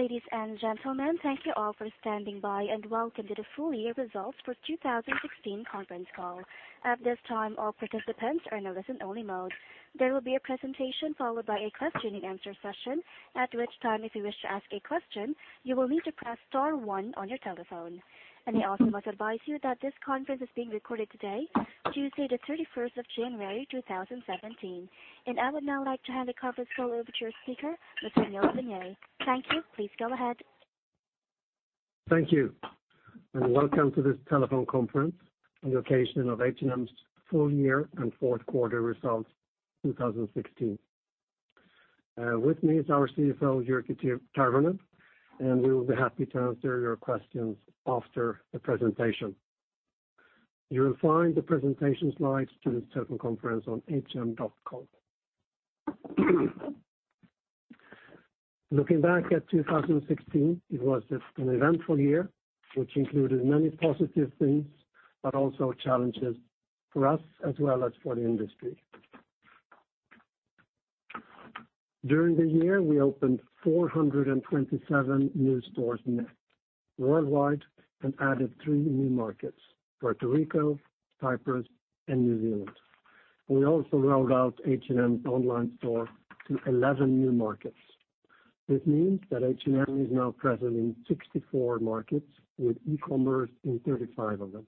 Ladies and gentlemen, thank you all for standing by, and welcome to the full year results for 2016 conference call. At this time, all participants are in a listen only mode. There will be a presentation followed by a question and answer session. At which time, if you wish to ask a question, you will need to press star one on your telephone. I also must advise you that this conference is being recorded today, Tuesday the 31st of January, 2017. I would now like to hand the conference call over to your speaker, Mr. Nils Vinge. Thank you. Please go ahead. Thank you, welcome to this telephone conference on the occasion of H&M's full year and fourth quarter results 2016. With me is our CFO, Jyrki Tervonen, we will be happy to answer your questions after the presentation. You will find the presentation slides to this telephone conference on hm.com. Looking back at 2016, it was an eventful year, which included many positive things, but also challenges for us as well as for the industry. During the year, we opened 427 new stores net worldwide and added three new markets, Puerto Rico, Cyprus, and New Zealand. We also rolled out H&M online store to 11 new markets. This means that H&M is now present in 64 markets with e-commerce in 35 of them.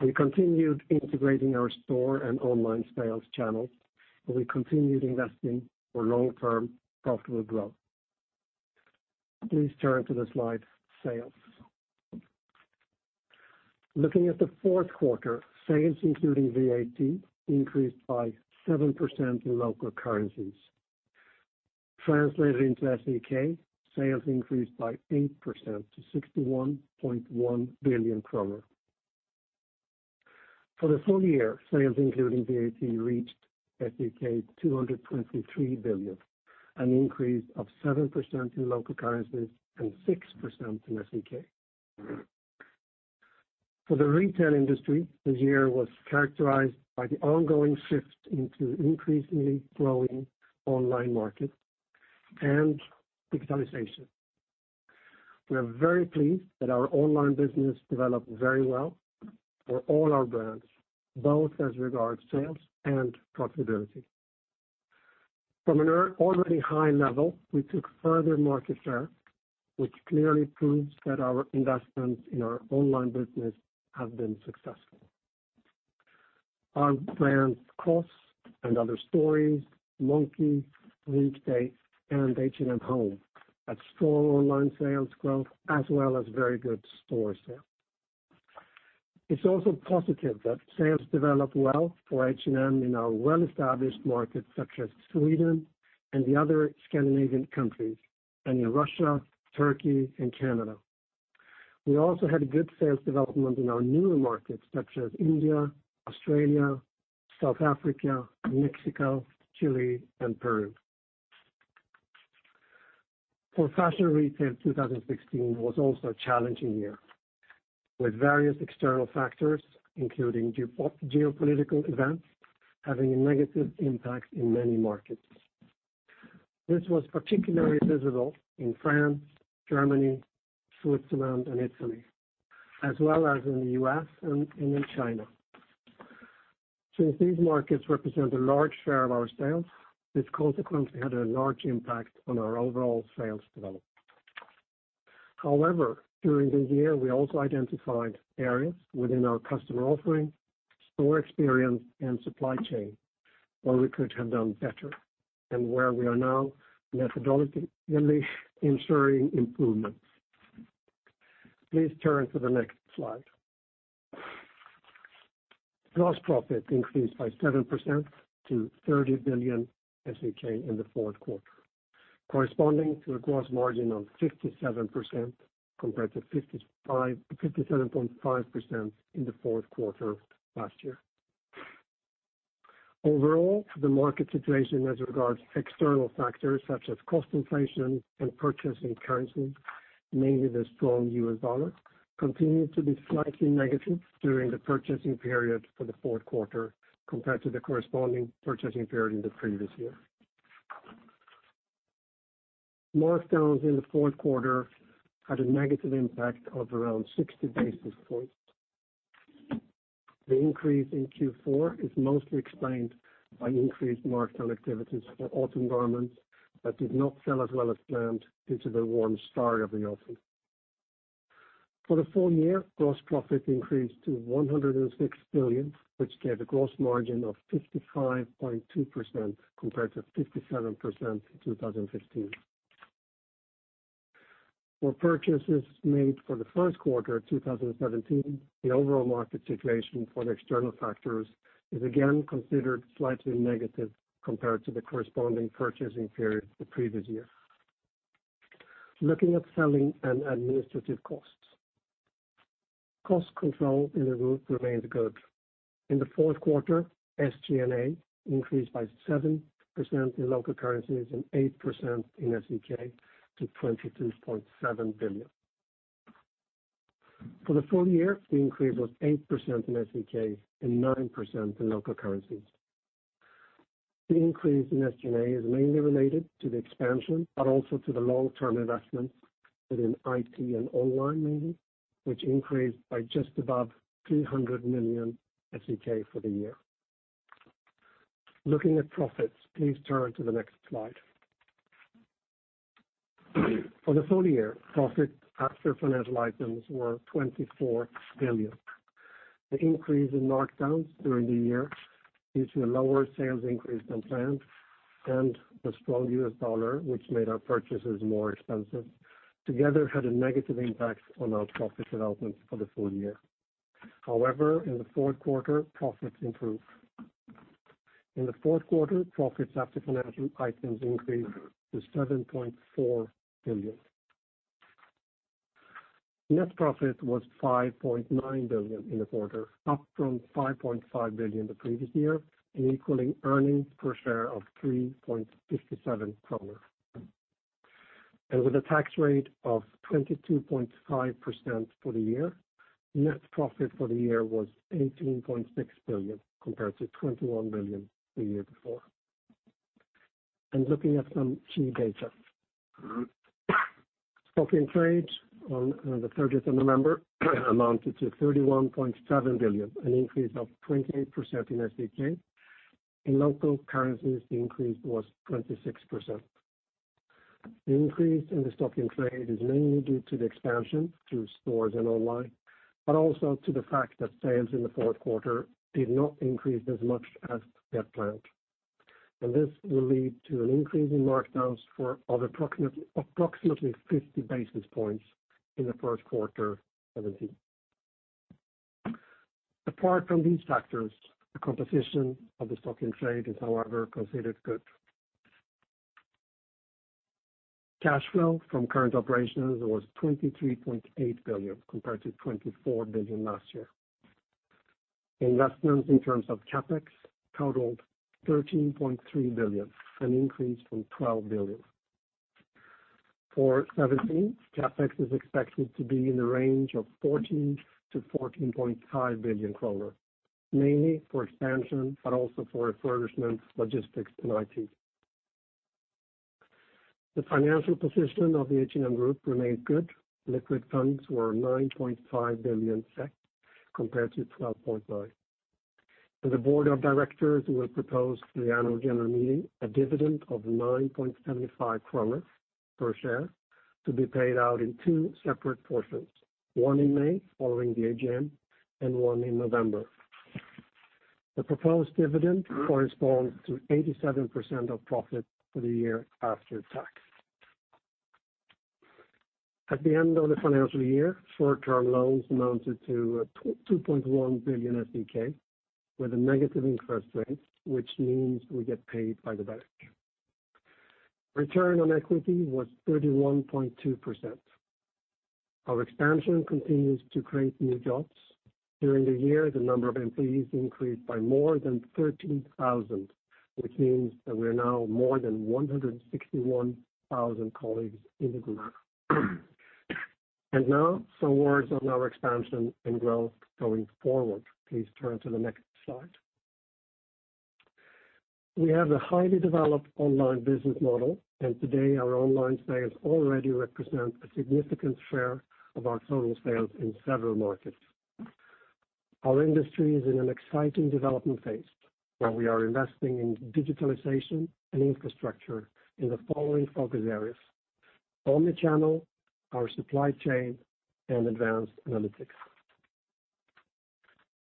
We continued integrating our store and online sales channels, and we continued investing for long-term profitable growth. Please turn to the slide, sales. Looking at the fourth quarter, sales including VAT increased by 7% in local currencies. Translated into SEK, sales increased by 8% to 61.1 billion kronor. For the full year, sales including VAT reached SEK 223 billion, an increase of 7% in local currencies and 6% in SEK. For the retail industry, this year was characterized by the ongoing shift into increasingly growing online market and digitalization. We are very pleased that our online business developed very well for all our brands, both as regards sales and profitability. From an already high level, we took further market share, which clearly proves that our investments in our online business have been successful. Our brands COS, & Other Stories, Monki, Weekday, and H&M HOME, had strong online sales growth as well as very good store sales. It's also positive that sales developed well for H&M in our well-established markets such as Sweden and the other Scandinavian countries, in Russia, Turkey, and Canada. We also had good sales development in our newer markets such as India, Australia, South Africa, Mexico, Chile, and Peru. For fashion retail, 2016 was also a challenging year, with various external factors, including geopolitical events, having a negative impact in many markets. This was particularly visible in France, Germany, Switzerland, and Italy, as well as in the U.S. and in China. Since these markets represent a large share of our sales, this consequently had a large impact on our overall sales development. However, during the year, we also identified areas within our customer offering, store experience, and supply chain where we could have done better and where we are now methodically ensuring improvements. Please turn to the next slide. Gross profit increased by 7% to 30 billion SEK in the fourth quarter, corresponding to a gross margin of 57% compared to 57.5% in the fourth quarter last year. Overall, the market situation as regards external factors such as cost inflation and purchasing currency, mainly the strong US dollar, continued to be slightly negative during the purchasing period for the fourth quarter compared to the corresponding purchasing period in the previous year. Markdowns in the fourth quarter had a negative impact of around 60 basis points. The increase in Q4 is mostly explained by increased markdown activities for autumn garments that did not sell as well as planned due to the warm start of the autumn. For the full year, gross profit increased to 106 billion, which gave a gross margin of 55.2% compared to 57% in 2015. For purchases made for the first quarter 2017, the overall market situation for the external factors is again considered slightly negative compared to the corresponding purchasing period the previous year. Looking at selling and administrative costs. Cost control in the group remained good. In the fourth quarter, SG&A increased by 7% in local currencies and 8% in SEK to 22.7 billion SEK. For the full year, the increase was 8% in SEK and 9% in local currencies. The increase in SG&A is mainly related to the expansion, but also to the long-term investments within IT and online mainly, which increased by just above 300 million SEK for the year. Looking at profits, please turn to the next slide. For the full year, profits after financial items were 24 billion. The increase in markdowns during the year due to a lower sales increase than planned and the strong US dollar, which made our purchases more expensive, together had a negative impact on our profit development for the full year. However, in the fourth quarter, profits improved. In the fourth quarter, profits after financial items increased to 7.4 billion. Net profit was 5.9 billion in the quarter, up from 5.5 billion the previous year and equaling earnings per share of 3.57 kronor. With a tax rate of 22.5% for the year, net profit for the year was 18.6 billion, compared to 21 billion the year before. Looking at some key data. Stock in trade on the 30th of November amounted to 31.7 billion, an increase of 28% in SEK. In local currencies, the increase was 26%. The increase in the stock in trade is mainly due to the expansion through stores and online, but also to the fact that sales in the fourth quarter did not increase as much as we had planned. This will lead to an increase in markdowns of approximately 50 basis points in the first quarter 2017. Apart from these factors, the composition of the stock in trade is, however, considered good. Cash flow from current operations was 23.8 billion, compared to 24 billion last year. Investments in terms of CapEx totaled 13.3 billion, an increase from 12 billion. For 2017, CapEx is expected to be in the range of 14 billion-14.5 billion kronor, mainly for expansion, but also for refurbishment, logistics, and IT. The financial position of the H&M Group remained good. Liquid funds were 9.5 billion, compared to 12.5 billion. The board of directors will propose to the annual general meeting a dividend of 9.75 kronor per share to be paid out in two separate portions, one in May following the AGM and one in November. The proposed dividend corresponds to 87% of profit for the year after tax. At the end of the financial year, short-term loans amounted to 2.1 billion SEK with a negative interest rate, which means we get paid by the bank. Return on equity was 31.2%. Our expansion continues to create new jobs. During the year, the number of employees increased by more than 13,000, which means that we are now more than 161,000 colleagues in the group. Now, some words on our expansion and growth going forward. Please turn to the next slide. We have a highly developed online business model. Today our online sales already represent a significant share of our total sales in several markets. Our industry is in an exciting development phase, where we are investing in digitalization and infrastructure in the following focus areas: omnichannel, our supply chain, and advanced analytics.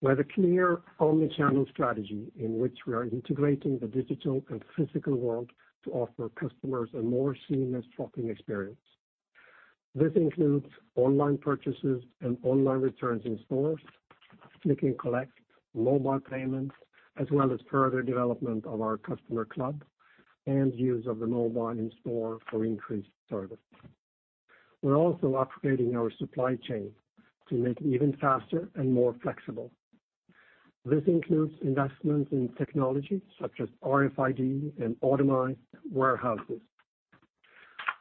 We have a clear omnichannel strategy in which we are integrating the digital and physical world to offer customers a more seamless shopping experience. This includes online purchases and online returns in stores, click and collect, mobile payments, as well as further development of our H&M Club and use of the mobile in store for increased service. We're also upgrading our supply chain to make it even faster and more flexible. This includes investments in technology such as RFID and automated warehouses.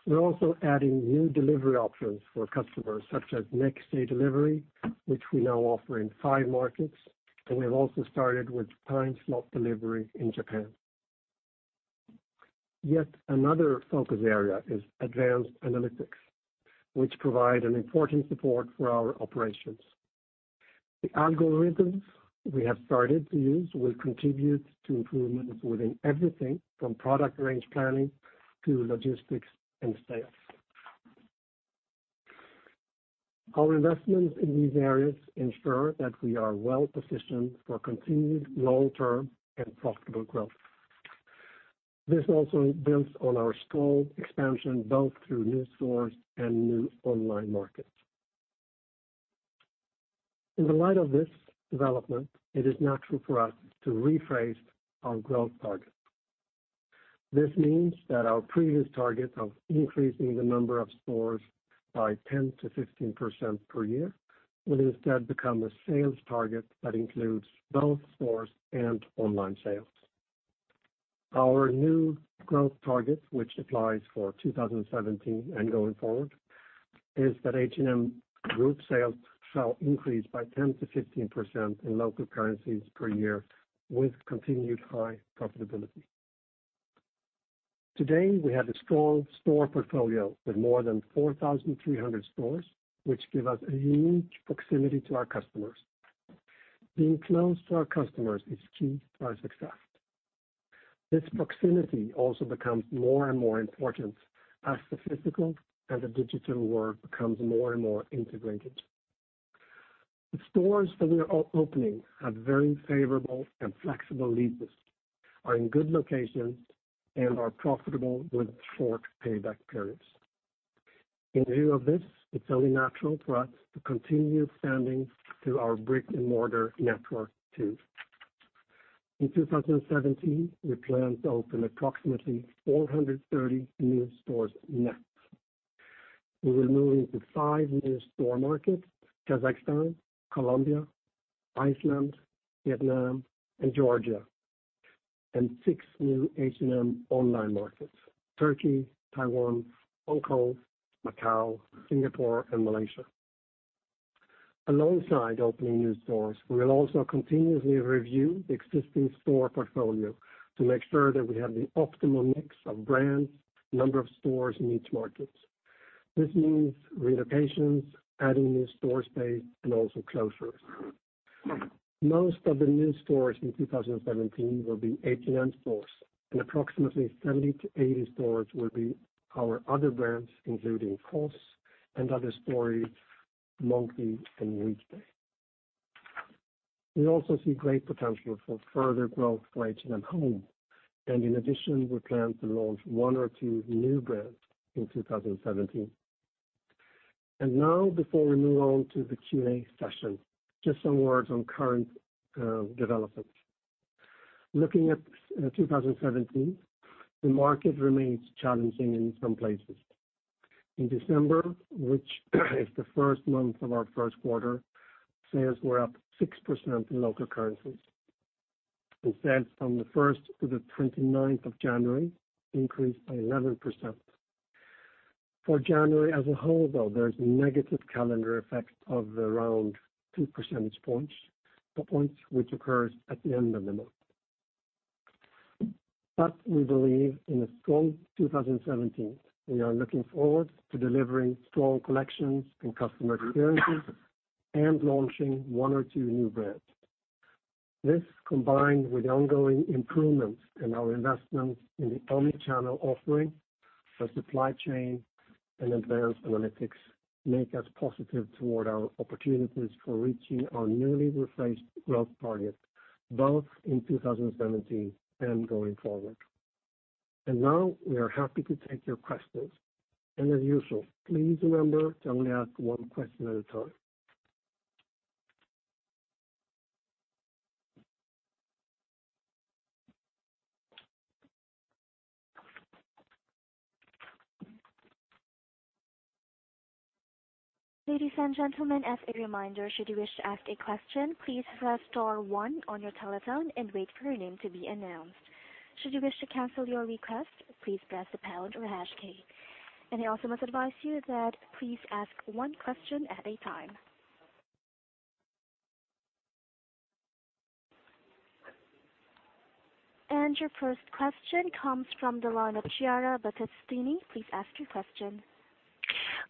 We're also adding new delivery options for customers, such as next day delivery, which we now offer in five markets. We have also started with time slot delivery in Japan. Yet another focus area is advanced analytics, which provide an important support for our operations. The algorithms we have started to use will contribute to improvements within everything from product range planning to logistics and sales. Our investments in these areas ensure that we are well-positioned for continued long-term and profitable growth. This also builds on our strong expansion, both through new stores and new online markets. In the light of this development, it is natural for us to rephrase our growth target. This means that our previous target of increasing the number of stores by 10%-15% per year will instead become a sales target that includes both stores and online sales. Our new growth target, which applies for 2017 and going forward, is that H&M group sales shall increase by 10%-15% in local currencies per year, with continued high profitability. Today, we have a strong store portfolio with more than 4,300 stores, which give us a huge proximity to our customers. Being close to our customers is key to our success. This proximity also becomes more and more important as the physical and the digital world becomes more and more integrated. The stores that we are opening have very favorable and flexible leases, are in good locations, and are profitable with short payback periods. In view of this, it's only natural for us to continue expanding to our brick and mortar network too. In 2017, we plan to open approximately 430 new stores net. We will move into 5 new store markets, Kazakhstan, Colombia, Iceland, Vietnam, and Georgia, and 6 new H&M online markets, Turkey, Taiwan, Hong Kong, Macau, Singapore, and Malaysia. Alongside opening new stores, we will also continuously review the existing store portfolio to make sure that we have the optimal mix of brands, number of stores in each market. This means relocations, adding new store space, and also closures. Most of the new stores in 2017 will be H&M stores, and approximately 70-80 stores will be our other brands, including COS, & Other Stories, Monki, and Weekday. We also see great potential for further growth for H&M HOME. In addition, we plan to launch 1 or 2 new brands in 2017. Now, before we move on to the Q4 session, just some words on current developments. Looking at 2017, the market remains challenging in some places. In December, which is the first month of our first quarter, sales were up 6% in local currencies, sales from the 1st to the 29th of January increased by 11%. For January as a whole, though, there is a negative calendar effect of around two percentage points, which occurs at the end of the month. We believe in a strong 2017. We are looking forward to delivering strong collections and customer experiences and launching 1 or 2 new brands. This, combined with ongoing improvements in our investment in the omni-channel offering, the supply chain, and advanced analytics, make us positive toward our opportunities for reaching our newly refreshed growth targets, both in 2017 and going forward. Now we are happy to take your questions. As usual, please remember to only ask one question at a time. Ladies and gentlemen, as a reminder, should you wish to ask a question, please press star one on your telephone and wait for your name to be announced. Should you wish to cancel your request, please press the pound or hash key. I also must advise you that please ask one question at a time. Your first question comes from the line of Chiara Battistini. Please ask your question.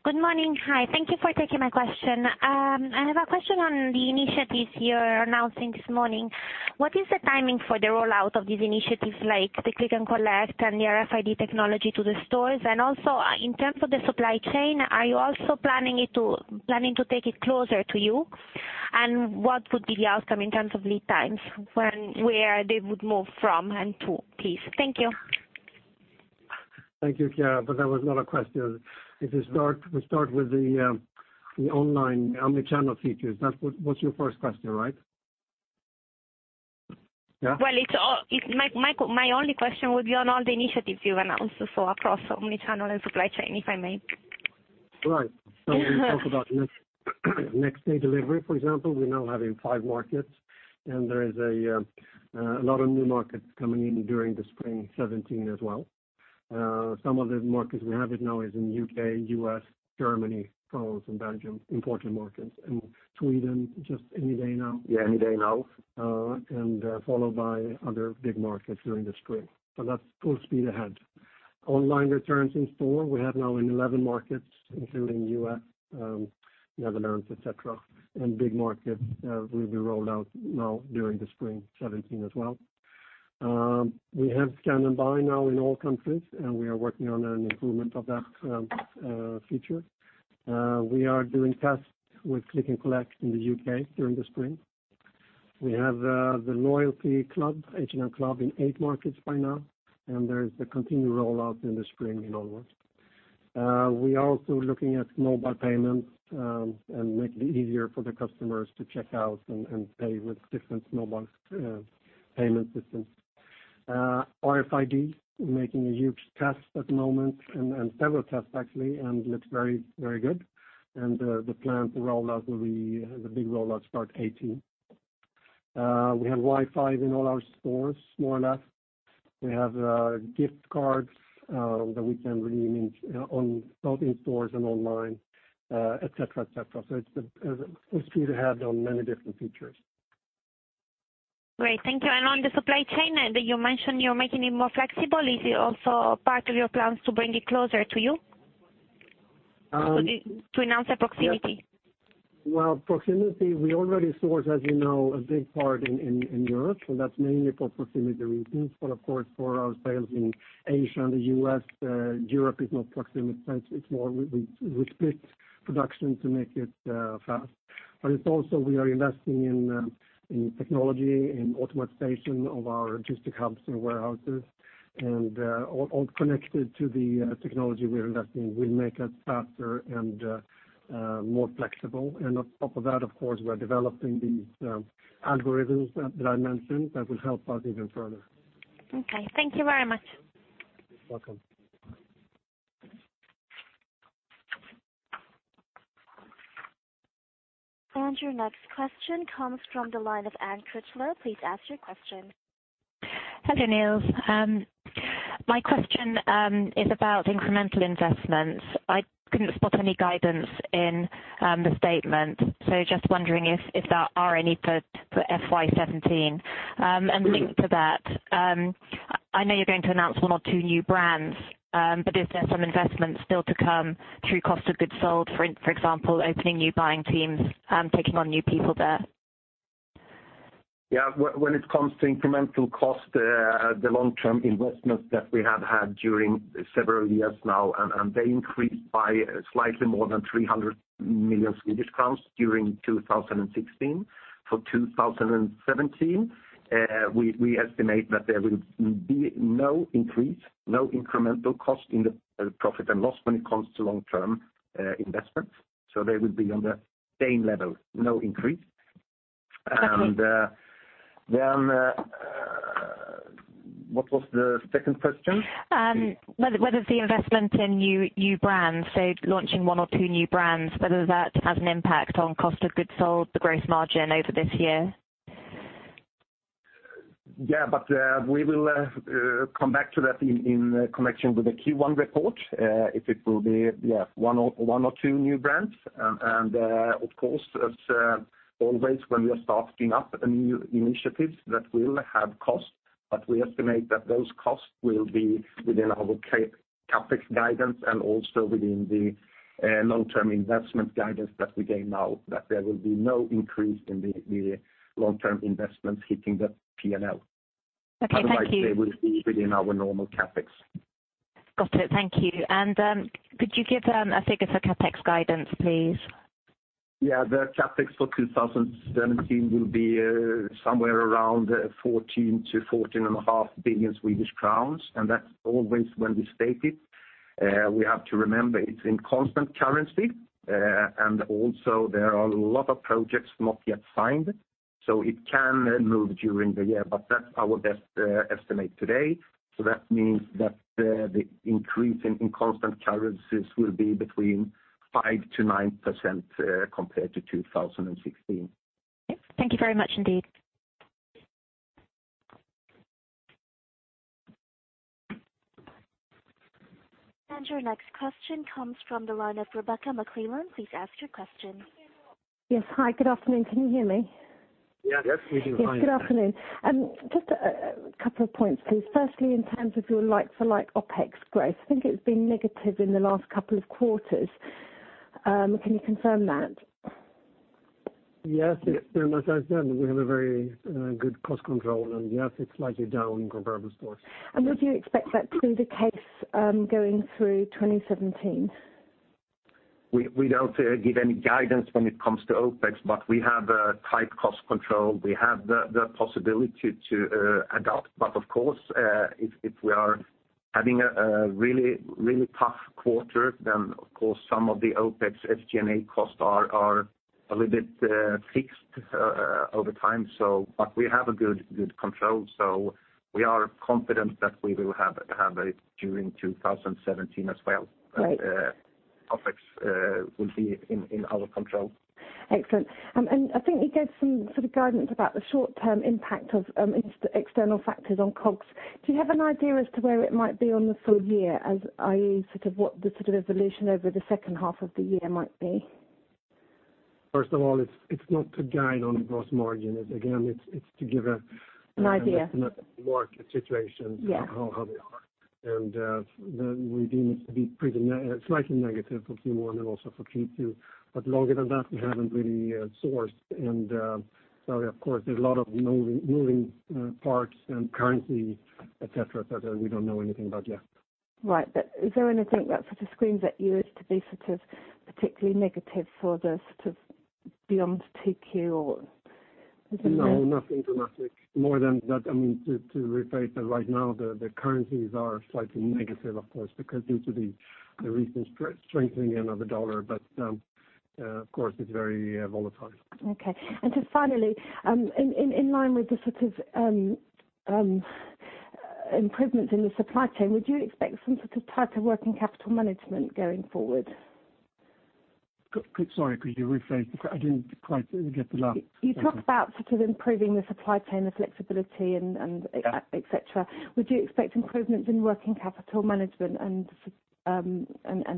Good morning. Hi. Thank you for taking my question. I have a question on the initiatives you're announcing this morning. What is the timing for the rollout of these initiatives like the click and collect and the RFID technology to the stores? Also, in terms of the supply chain, are you also planning to take it closer to you? What would be the outcome in terms of lead times, where they would move from and to, please? Thank you. Thank you, Chiara, that was a lot of questions. You start with the online omni-channel features, that was your first question, right? Yeah. Well, my only question would be on all the initiatives you announced, across omni-channel and supply chain, if I may. Right. When we talk about next day delivery, for example, we're now having five markets. There is a lot of new markets coming in during the Spring 2017 as well. Some of the markets we have it now is in U.K., U.S., Germany, France, and Belgium, important markets. In Sweden, just any day now? Yeah, any day now. Followed by other big markets during the spring. That's full speed ahead. Online returns in store, we have now in 11 markets, including U.S., Netherlands, et cetera, and big markets will be rolled out now during the Spring 2017 as well. We have scan and buy now in all countries, and we are working on an improvement of that feature. We are doing tests with click and collect in the U.K. during the spring. We have the loyalty club, H&M Club, in eight markets by now, and there is the continued rollout in the spring in all markets. We are also looking at mobile payments and make it easier for the customers to check out and pay with different mobile payment systems. RFID, making a huge test at the moment, and several tests actually, and looks very good. The plan to roll out will be the big rollout start 2018. We have Wi-Fi in all our stores, more or less. We have gift cards that we can redeem both in stores and online, et cetera. It's three to have on many different features. Great. Thank you. On the supply chain, you mentioned you're making it more flexible. Is it also part of your plans to bring it closer to you? Um- To announce a proximity? Proximity, we already source, as you know, a big part in Europe, so that's mainly for proximity reasons. Of course, for our sales in Asia and the U.S., Europe is not proximity, hence it's more we split production to make it fast. It's also, we are investing in technology, in automatization of our logistic hubs and warehouses and all connected to the technology we are investing will make us faster and more flexible. On top of that, of course, we're developing these algorithms that I mentioned that will help us even further. Okay. Thank you very much. You're welcome. Your next question comes from the line of Anne Critchlow. Please ask your question. Hello, Nils. My question is about incremental investments. I couldn't spot any guidance in the statement. Just wondering if there are any for FY 2017. Linked to that, I know you're going to announce one or two new brands, but is there some investment still to come through cost of goods sold, for example, opening new buying teams, taking on new people there? Yeah. When it comes to incremental cost, the long-term investment that we have had during several years now, and they increased by slightly more than 300 million Swedish crowns during 2016. For 2017, we estimate that there will be no increase, no incremental cost in the profit and loss when it comes to long-term investments. They will be on the same level, no increase. Okay. What was the second question? Whether the investment in new brands, so launching one or two new brands, whether that has an impact on cost of goods sold, the gross margin over this year. Yeah, we will come back to that in connection with the Q1 report, if it will be, yeah, one or two new brands. Of course, as always, when we are starting up a new initiative, that will have costs, but we estimate that those costs will be within our CapEx guidance and also within the long-term investment guidance that we gave now, that there will be no increase in the long-term investments hitting the P&L. Okay. Thank you. Otherwise, they will be within our normal CapEx. Got it. Thank you. Could you give a figure for CapEx guidance, please? Yeah. The CapEx for 2017 will be somewhere around 14 billion-14.5 billion Swedish crowns, and that's always when we state it, we have to remember it's in constant currency. Also there are a lot of projects not yet signed, so it can move during the year, but that's our best estimate today. That means that the increase in constant currencies will be between 5%-9% compared to 2016. Okay. Thank you very much indeed. Your next question comes from the line of Rebecca McClelland. Please ask your question. Yes. Hi. Good afternoon. Can you hear me? Yeah. Yes, we can hear you. Hi. Good afternoon. Just a couple of points, please. Firstly, in terms of your like-for-like OpEx growth, I think it's been negative in the last couple of quarters. Can you confirm that? Yes. As I said, we have a very good cost control and yes, it's slightly down in comparable stores. Would you expect that to be the case going through 2017? We don't give any guidance when it comes to OpEx, but we have a tight cost control. We have the possibility to adapt. Of course, if we are having a really tough quarter, then of course some of the OpEx SG&A costs are a little bit fixed over time. We have a good control, we are confident that we will have it during 2017 as well. Great. OpEx will be in our control. Excellent. I think you gave some sort of guidance about the short-term impact of external factors on COGS. Do you have an idea as to where it might be on the full year, i.e., sort of what the sort of evolution over the second half of the year might be? First of all, it's not to guide on gross margin. Again, it's to give. An estimate market situation- Yeah how they are. We deem it to be slightly negative for Q1 and also for Q2. Longer than that, we haven't really sourced and sorry, of course, there's a lot of moving parts and currency, et cetera, that we don't know anything about yet. Right. Is there anything that sort of screams at you as to be sort of particularly negative for the sort of beyond 2Q or is it- No, nothing dramatic more than that. To rephrase that right now, the currencies are slightly negative, of course, because due to the recent strengthening of the dollar, of course it's very volatile. Okay. Just finally, in line with the sort of improvements in the supply chain, would you expect some sort of tighter working capital management going forward? Sorry, could you rephrase? I didn't quite get the last question. You talked about improving the supply chain, the flexibility and et cetera. Yeah. Would you expect improvements in working capital management and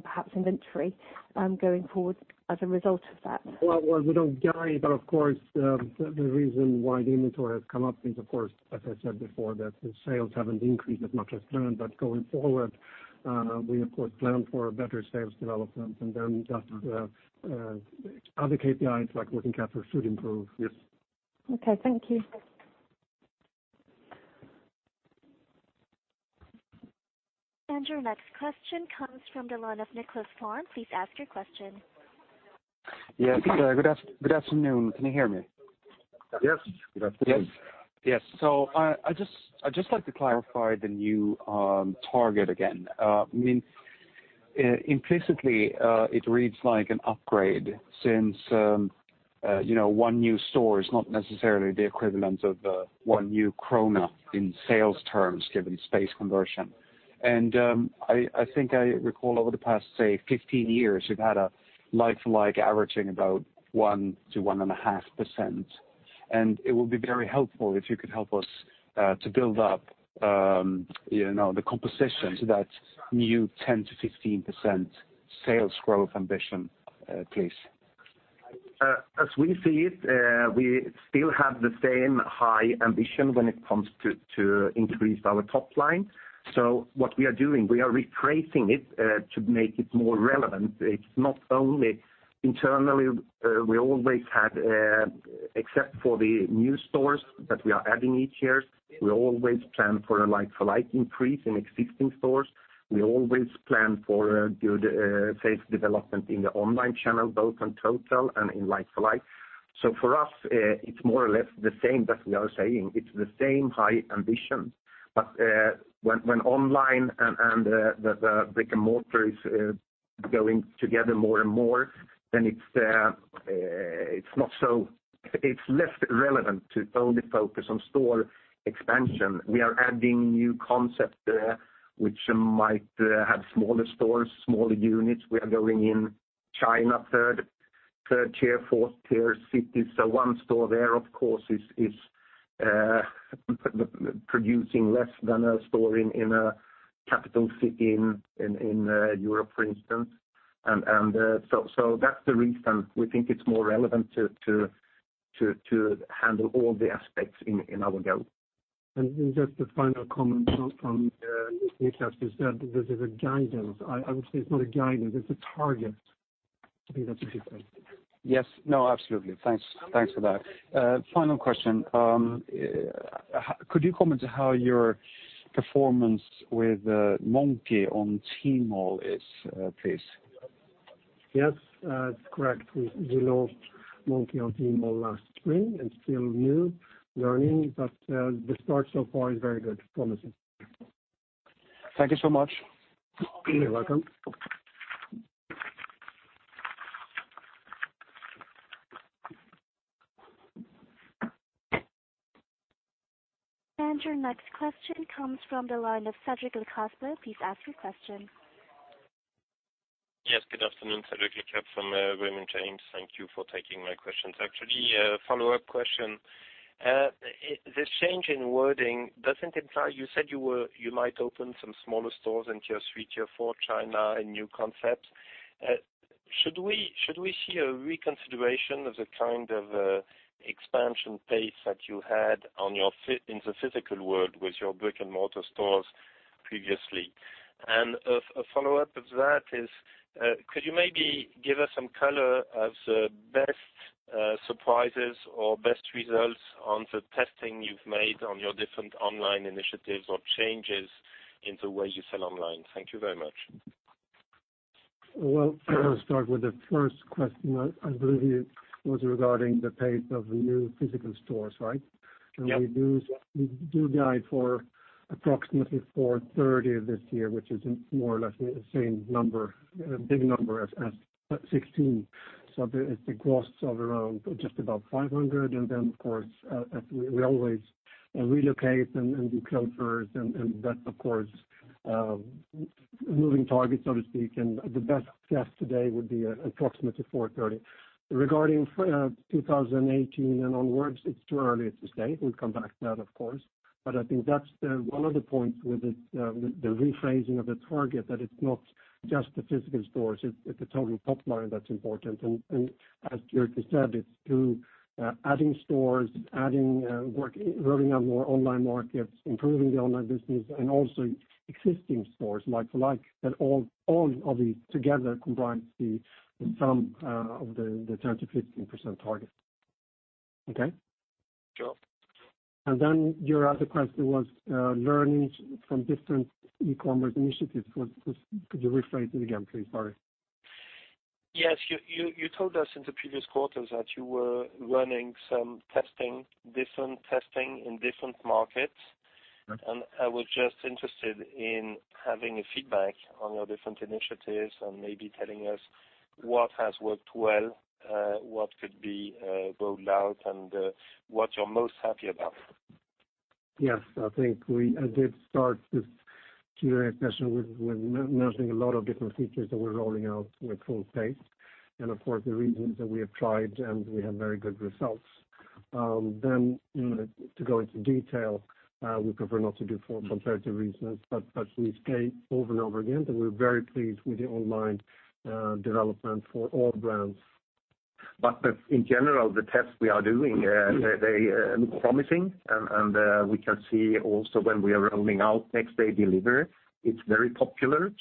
perhaps inventory going forward as a result of that? Well, we don't guide, but of course, the reason why the inventory has come up is, of course, as I said before, that the sales haven't increased as much as planned, but going forward, we of course plan for better sales development and then just the other KPIs like working capital should improve. Yes. Okay. Thank you. Your next question comes from the line of Niklas Form. Please ask your question. Yes, good afternoon. Can you hear me? Yes. Good afternoon. Yes. I'd just like to clarify the new target again. Implicitly, it reads like an upgrade since one new store is not necessarily the equivalent of one new SEK in sales terms, given space conversion. I think I recall over the past, say, 15 years, we've had a like-for-like averaging about 1%-1.5%. It would be very helpful if you could help us to build up the composition to that new 10%-15% sales growth ambition, please. As we see it, we still have the same high ambition when it comes to increase our top line. What we are doing, we are rephrasing it to make it more relevant. It's not only internally, we always had, except for the new stores that we are adding each year, we always plan for a like-for-like increase in existing stores. We always plan for a good sales development in the online channel, both on total and in like-for-like. For us, it's more or less the same that we are saying. It's the same high ambition. When online and the brick and mortar is going together more and more, then it's less relevant to only focus on store expansion. We are adding new concept which might have smaller stores, smaller units. We are going in China, 3rd tier, 4th tier cities. One store there, of course, is producing less than a store in a capital city in Europe, for instance. That's the reason we think it's more relevant to handle all the aspects in our go. Just a final comment from Niklas is that this is a guidance. I would say it's not a guidance, it's a target. I think that's the difference. Yes. No, absolutely. Thanks for that. Final question. Could you comment how your performance with Monki on Tmall is, please? Yes, that's correct. We launched Monki on Tmall last spring, and still new, learning, but the start so far is very good, promising. Thank you so much. You are welcome. Your next question comes from the line of Cedric Lecasble. Please ask your question. Yes, good afternoon, Cedric Lecasble from Raymond James. Thank you for taking my questions. Actually, a follow-up question. This change in wording, you said you might open some smaller stores in tier 3, tier 4 China, a new concept. Should we see a reconsideration of the kind of expansion pace that you had in the physical world with your brick-and-mortar stores previously? A follow-up of that is, could you maybe give us some color of the best surprises or best results on the testing you have made on your different online initiatives or changes in the way you sell online? Thank you very much. Well, I'll start with the first question. I believe it was regarding the pace of the new physical stores, right? Yes. We do guide for approximately 430 this year, which is more or less the same number, big number as 2016. It grossed of around just about 500. Of course, as we always relocate and do closures and that, of course, moving targets, so to speak, and the best guess today would be approximately 430. Regarding 2018 and onwards, it's too early to say. We'll come back to that, of course. I think that's one of the points with the rephrasing of the target, that it's not just the physical stores, it's the total top line that's important. As Jyrki said, it's through adding stores, adding work, rolling out more online markets, improving the online business, and also existing stores like for like, that all of these together comprise the sum of the 10%-15% target. Okay? Sure. Your other question was learnings from different e-commerce initiatives. Could you rephrase it again, please? Sorry. Yes. You told us in the previous quarters that you were running some testing, different testing in different markets. I was just interested in having a feedback on your different initiatives and maybe telling us what has worked well, what could be rolled out, and what you're most happy about. I think we did start this Q&A session with mentioning a lot of different features that we're rolling out with full pace. Of course, the reasons that we have tried, and we have very good results. To go into detail, we prefer not to do for competitive reasons, we say over and over again, that we're very pleased with the online development for all brands. In general, the tests we are doing, they look promising, and we can see also when we are rolling out next day delivery, it's very popular.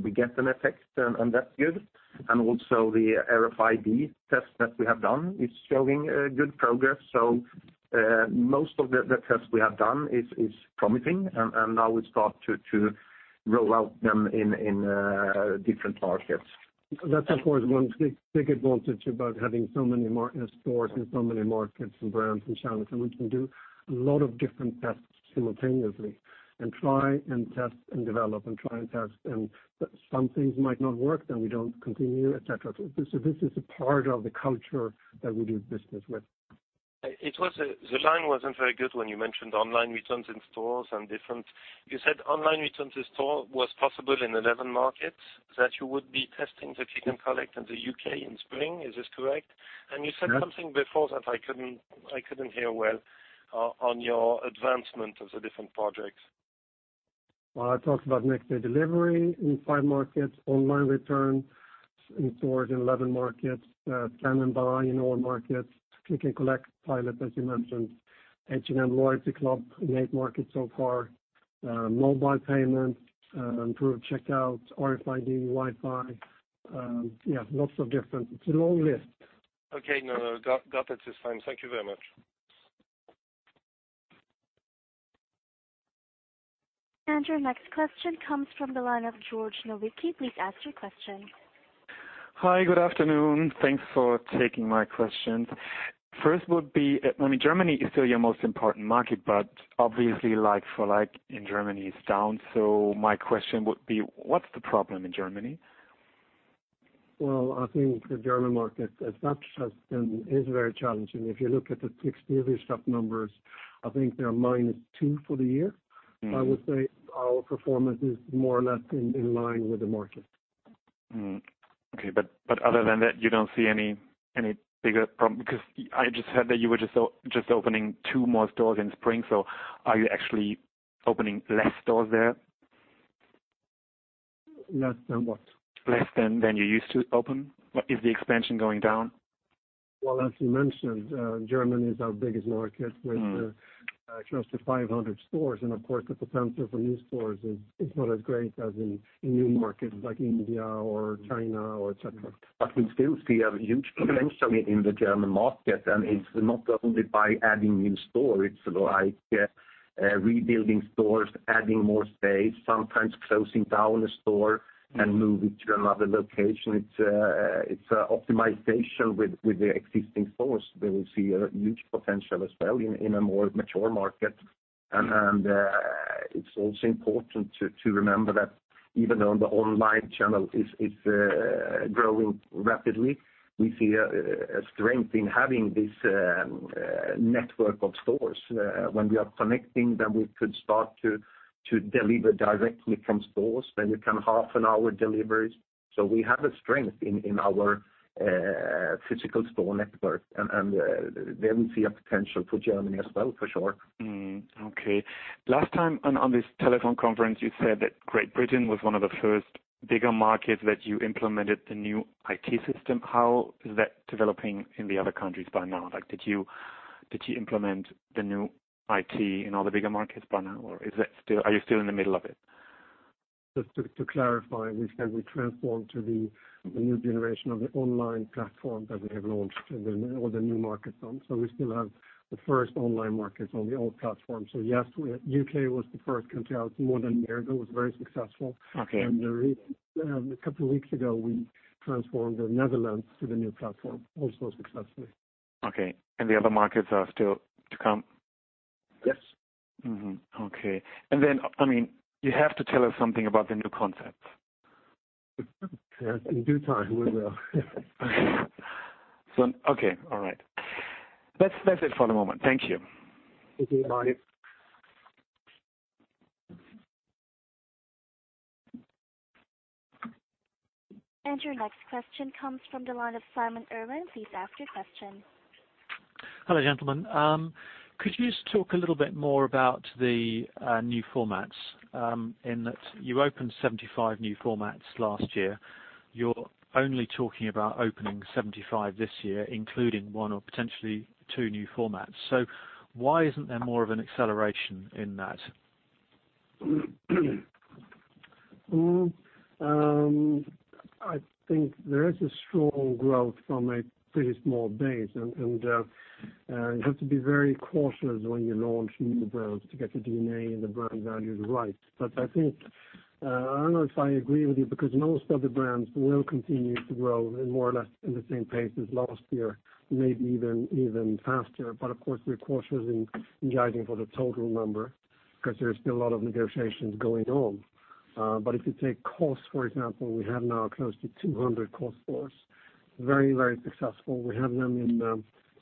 We get an effect, and that's good. Also, the RFID test that we have done is showing good progress. Most of the tests we have done is promising, and now we start to roll out them in different markets. That's of course, one big advantage about having so many stores in so many markets and brands and channels, we can do a lot of different tests simultaneously and try and test and develop and try and test. Some things might not work, then we don't continue, et cetera. This is a part of the culture that we do business with. The line wasn't very good when you mentioned online returns in stores and different. You said online returns to store was possible in 11 markets, that you would be testing the click and collect in the U.K. in spring. Is this correct? You said something before that I couldn't hear well on your advancement of the different projects. Well, I talked about next day delivery in five markets, online returns in stores in 11 markets, scan and buy in all markets, click and collect pilot, as you mentioned, H&M Club in eight markets so far, mobile payment, improved checkout, RFID, Wi-Fi. Yeah, lots of different It's a long list. Okay. No, got it this time. Thank you very much. Your next question comes from the line of George Nowicki. Please ask your question. Hi, good afternoon. Thanks for taking my questions. Germany is still your most important market. Obviously like for like in Germany is down. My question would be, what's the problem in Germany? Well, I think the German market as such is very challenging. If you look at the TextilWirtschaft numbers, I think they're minus 2% for the year. I would say our performance is more or less in line with the market. Okay. Other than that, you don't see any bigger problem? I just heard that you were just opening two more stores in spring. Are you actually opening less stores there? Less than what? Less than you used to open. Is the expansion going down? Well, as you mentioned, Germany is our biggest market with- close to 500 stores, and of course, the potential for new stores is not as great as in new markets like India or China or et cetera. We still see a huge potential in the German market, it's not only by adding new store. It's like rebuilding stores, adding more space, sometimes closing down a store and move it to another location. It's optimization with the existing stores. There we see a huge potential as well in a more mature market. It's also important to remember that even though the online channel is growing rapidly, we see a strength in having this network of stores. When we are connecting, then we could start to deliver directly from stores, then we can half an hour deliveries. We have a strength in our physical store network, and there we see a potential for Germany as well, for sure. Mm-hmm, okay. Last time on this telephone conference, you said that Great Britain was one of the first bigger markets that you implemented the new IT system. How is that developing in the other countries by now? Did you implement the new IT in all the bigger markets by now, or are you still in the middle of it? Just to clarify, we said we transformed to the new generation of the online platform that we have launched all the new markets on. We still have the first online markets on the old platform. Yes, U.K. was the first country out more than a year ago, was very successful. Okay. A couple of weeks ago, we transformed the Netherlands to the new platform, also successfully. Okay. The other markets are still to come? Yes. Mm-hmm, okay. You have to tell us something about the new concepts. In due time, we will. Okay. All right. That's it for the moment. Thank you. Thank you, George. Your next question comes from the line of Simon Irwin. Please ask your question. Hello, gentlemen. Could you just talk a little bit more about the new formats, in that you opened 75 new formats last year. You're only talking about opening 75 this year, including one or potentially two new formats. Why isn't there more of an acceleration in that? I think there is a strong growth from a pretty small base, and you have to be very cautious when you launch new brands to get the DNA and the brand values right. I think, I don't know if I agree with you, because most of the brands will continue to grow in more or less in the same pace as last year, maybe even faster. Of course, we're cautious in guiding for the total number because there's still a lot of negotiations going on. If you take COS, for example, we have now close to 200 COS stores. Very, very successful. We have them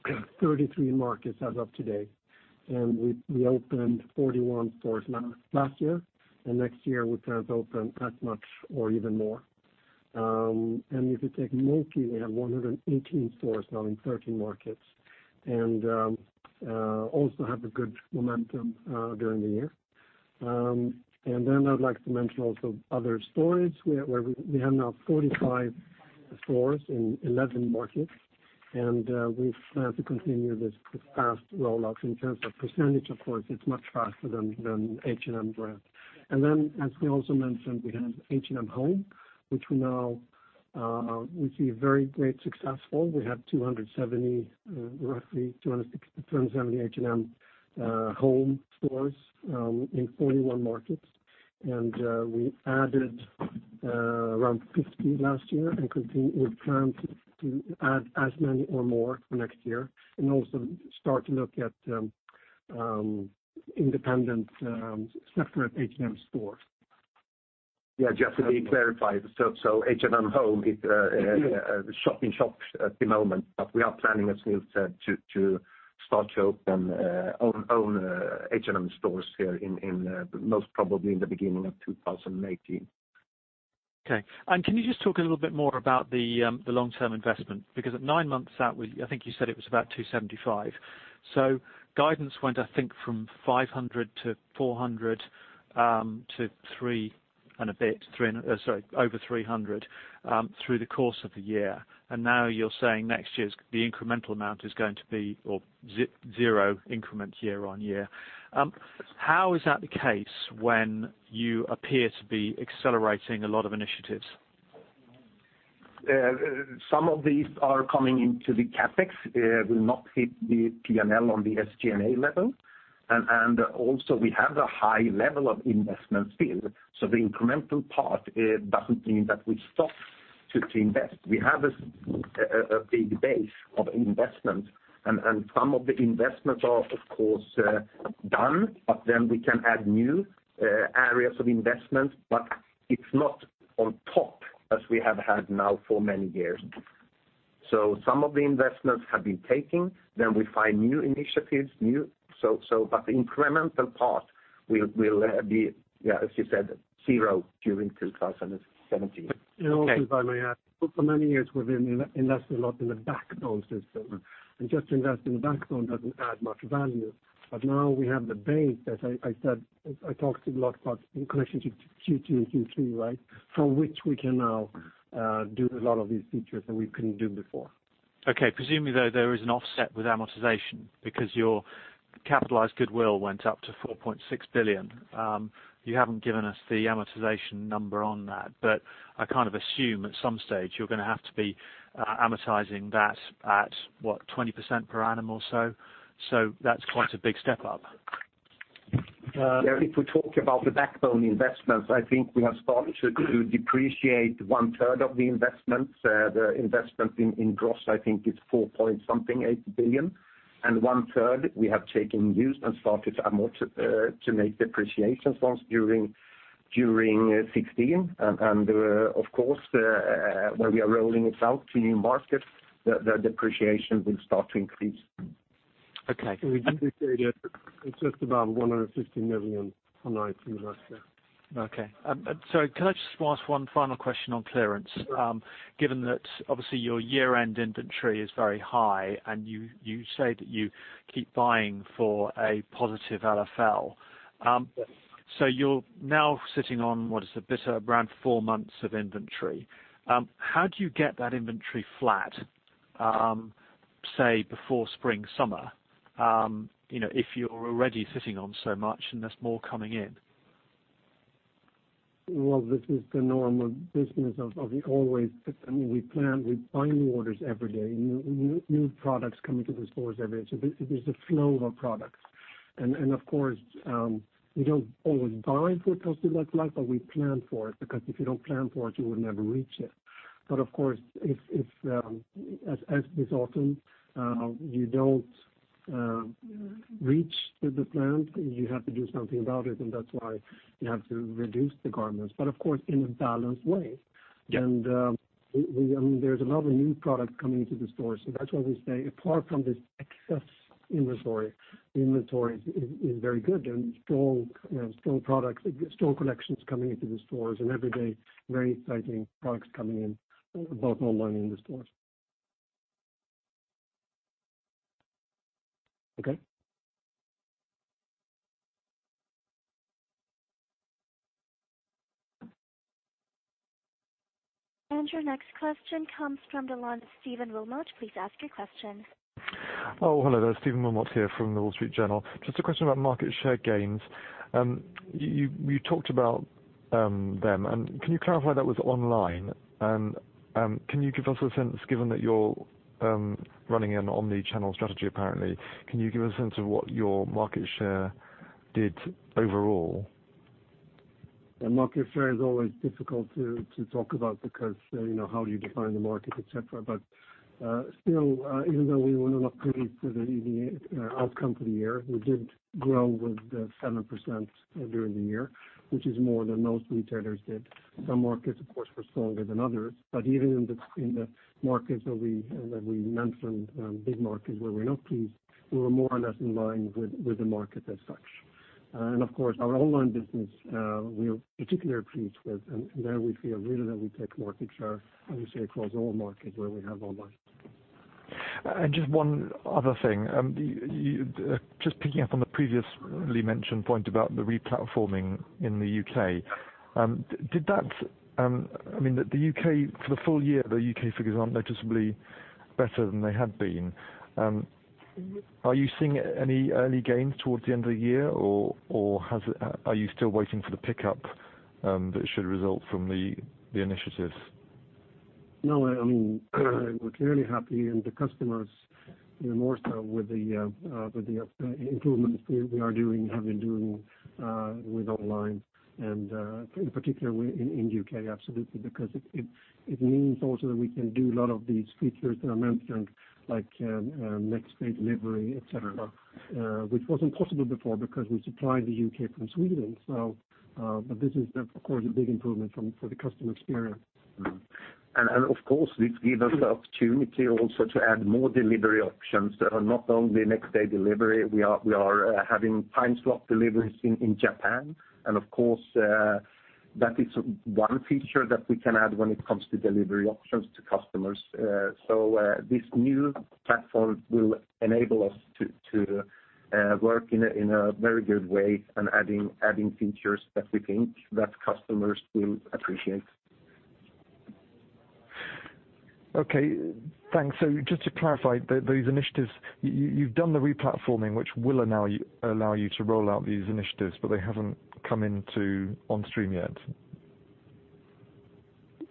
in 33 markets as of today. We opened 41 stores last year. Next year we plan to open as much or even more. If you take Monki, we have 118 stores now in 13 markets and also have a good momentum during the year. I would like to mention also & Other Stories where we have now 45 stores in 11 markets, and we plan to continue this fast rollout. In terms of percentage, of course, it's much faster than H&M brand. As we also mentioned, we have H&M HOME, which we see very great successful. We have roughly 270 H&M HOME stores in 41 markets, and we added around 50 last year and plan to add as many or more for next year, and also start to look at independent, separate H&M stores. Just to be clarified. H&M HOME is a shop-in-shop at the moment, but we are planning, as we've said, to start to open own H&M stores here most probably in the beginning of 2018. Okay. Can you just talk a little bit more about the long-term investment? Because at nine months out, I think you said it was about 275. Guidance went, I think, from 500 to 400, to over 300, through the course of the year. Now you're saying next year the incremental amount is going to be zero increment year-on-year. How is that the case when you appear to be accelerating a lot of initiatives? Some of these are coming into the CapEx. Will not hit the P&L on the SG&A level. Also we have a high level of investment still. The incremental part doesn't mean that we stop to invest. We have a big base of investment, and some of the investments are, of course, done. We can add new areas of investment, but it's not on top as we have had now for many years. Some of the investments have been taken. We find new initiatives. The incremental part will be, as you said, zero during 2017. Okay. Also, if I may add, for many years, we've invested a lot in the backbone system, and just to invest in the backbone doesn't add much value. Now we have the base, as I said, I talked a lot about in connection to Q2 and Q3, right? From which we can now do a lot of these features that we couldn't do before. Okay. Presumably, though, there is an offset with amortization because your capitalized goodwill went up to 4.6 billion. You haven't given us the amortization number on that, I kind of assume at some stage you're going to have to be amortizing that at, what, 20% per annum or so? That's quite a big step up. If we talk about the backbone investments, I think we have started to depreciate one third of the investments. The investment in gross, I think it's 4.8 billion. One third we have taken used and started to make depreciation funds during 2016. Of course, where we are rolling it out to new markets, the depreciation will start to increase. Okay. We did this earlier. It's just about 150 million for nine from last year. Okay. Sorry, can I just ask one final question on clearance? Given that obviously your year-end inventory is very high and you say that you keep buying for a positive LFL. You're now sitting on, what is it, around four months of inventory. How do you get that inventory flat, say, before spring, summer? If you're already sitting on so much and there's more coming in. Well, this is the normal business of you always. I mean, we plan, we buy new orders every day. New products come into the stores. There's a flow of products. Of course, we don't always buy for positive LFL, we plan for it, because if you don't plan for it, you will never reach it. Of course, if, as this autumn, you don't reach the plan, you have to do something about it, and that's why you have to reduce the garments. Of course, in a balanced way. There's a lot of new product coming into the store. That's why we say, apart from this excess inventory is very good and strong collections coming into the stores and every day very exciting products coming in, both online and the stores. Okay. Your next question comes from the line of Stephen Wilmot. Please ask your question. Oh, hello there. Stephen Wilmot here from The Wall Street Journal. Just a question about market share gains. You talked about them, can you clarify that was online? Can you give us a sense, given that you're running an omni-channel strategy, apparently, can you give a sense of what your market share did overall? Market share is always difficult to talk about because how you define the market, etc. Still, even though we were not pleased with the outcome for the year, we did grow with 7% during the year, which is more than most retailers did. Some markets, of course, were stronger than others. Even in the markets that we mentioned, big markets where we're not pleased, we were more or less in line with the market as such. Of course, our online business, we are particularly pleased with, and there we feel really that we take market share, I would say, across all markets where we have online. Just one other thing. Just picking up on the previously mentioned point about the re-platforming in the U.K. For the full year, the U.K. figures aren't noticeably better than they had been. Are you seeing any early gains towards the end of the year, or are you still waiting for the pickup that should result from the initiatives? No, we're clearly happy, and the customers more so with the improvements we are doing, have been doing with online and in particular in U.K., absolutely. Because it means also that we can do a lot of these features that are mentioned, like next-day delivery, etc., which wasn't possible before because we supplied the U.K. from Sweden. This is, of course, a big improvement for the customer experience. Of course, it's given us the opportunity also to add more delivery options that are not only next-day delivery. We are having time slot deliveries in Japan, and of course, that is one feature that we can add when it comes to delivery options to customers. This new platform will enable us to work in a very good way and adding features that we think that customers will appreciate. Just to clarify, those initiatives, you've done the re-platforming, which will allow you to roll out these initiatives, but they haven't come into on stream yet.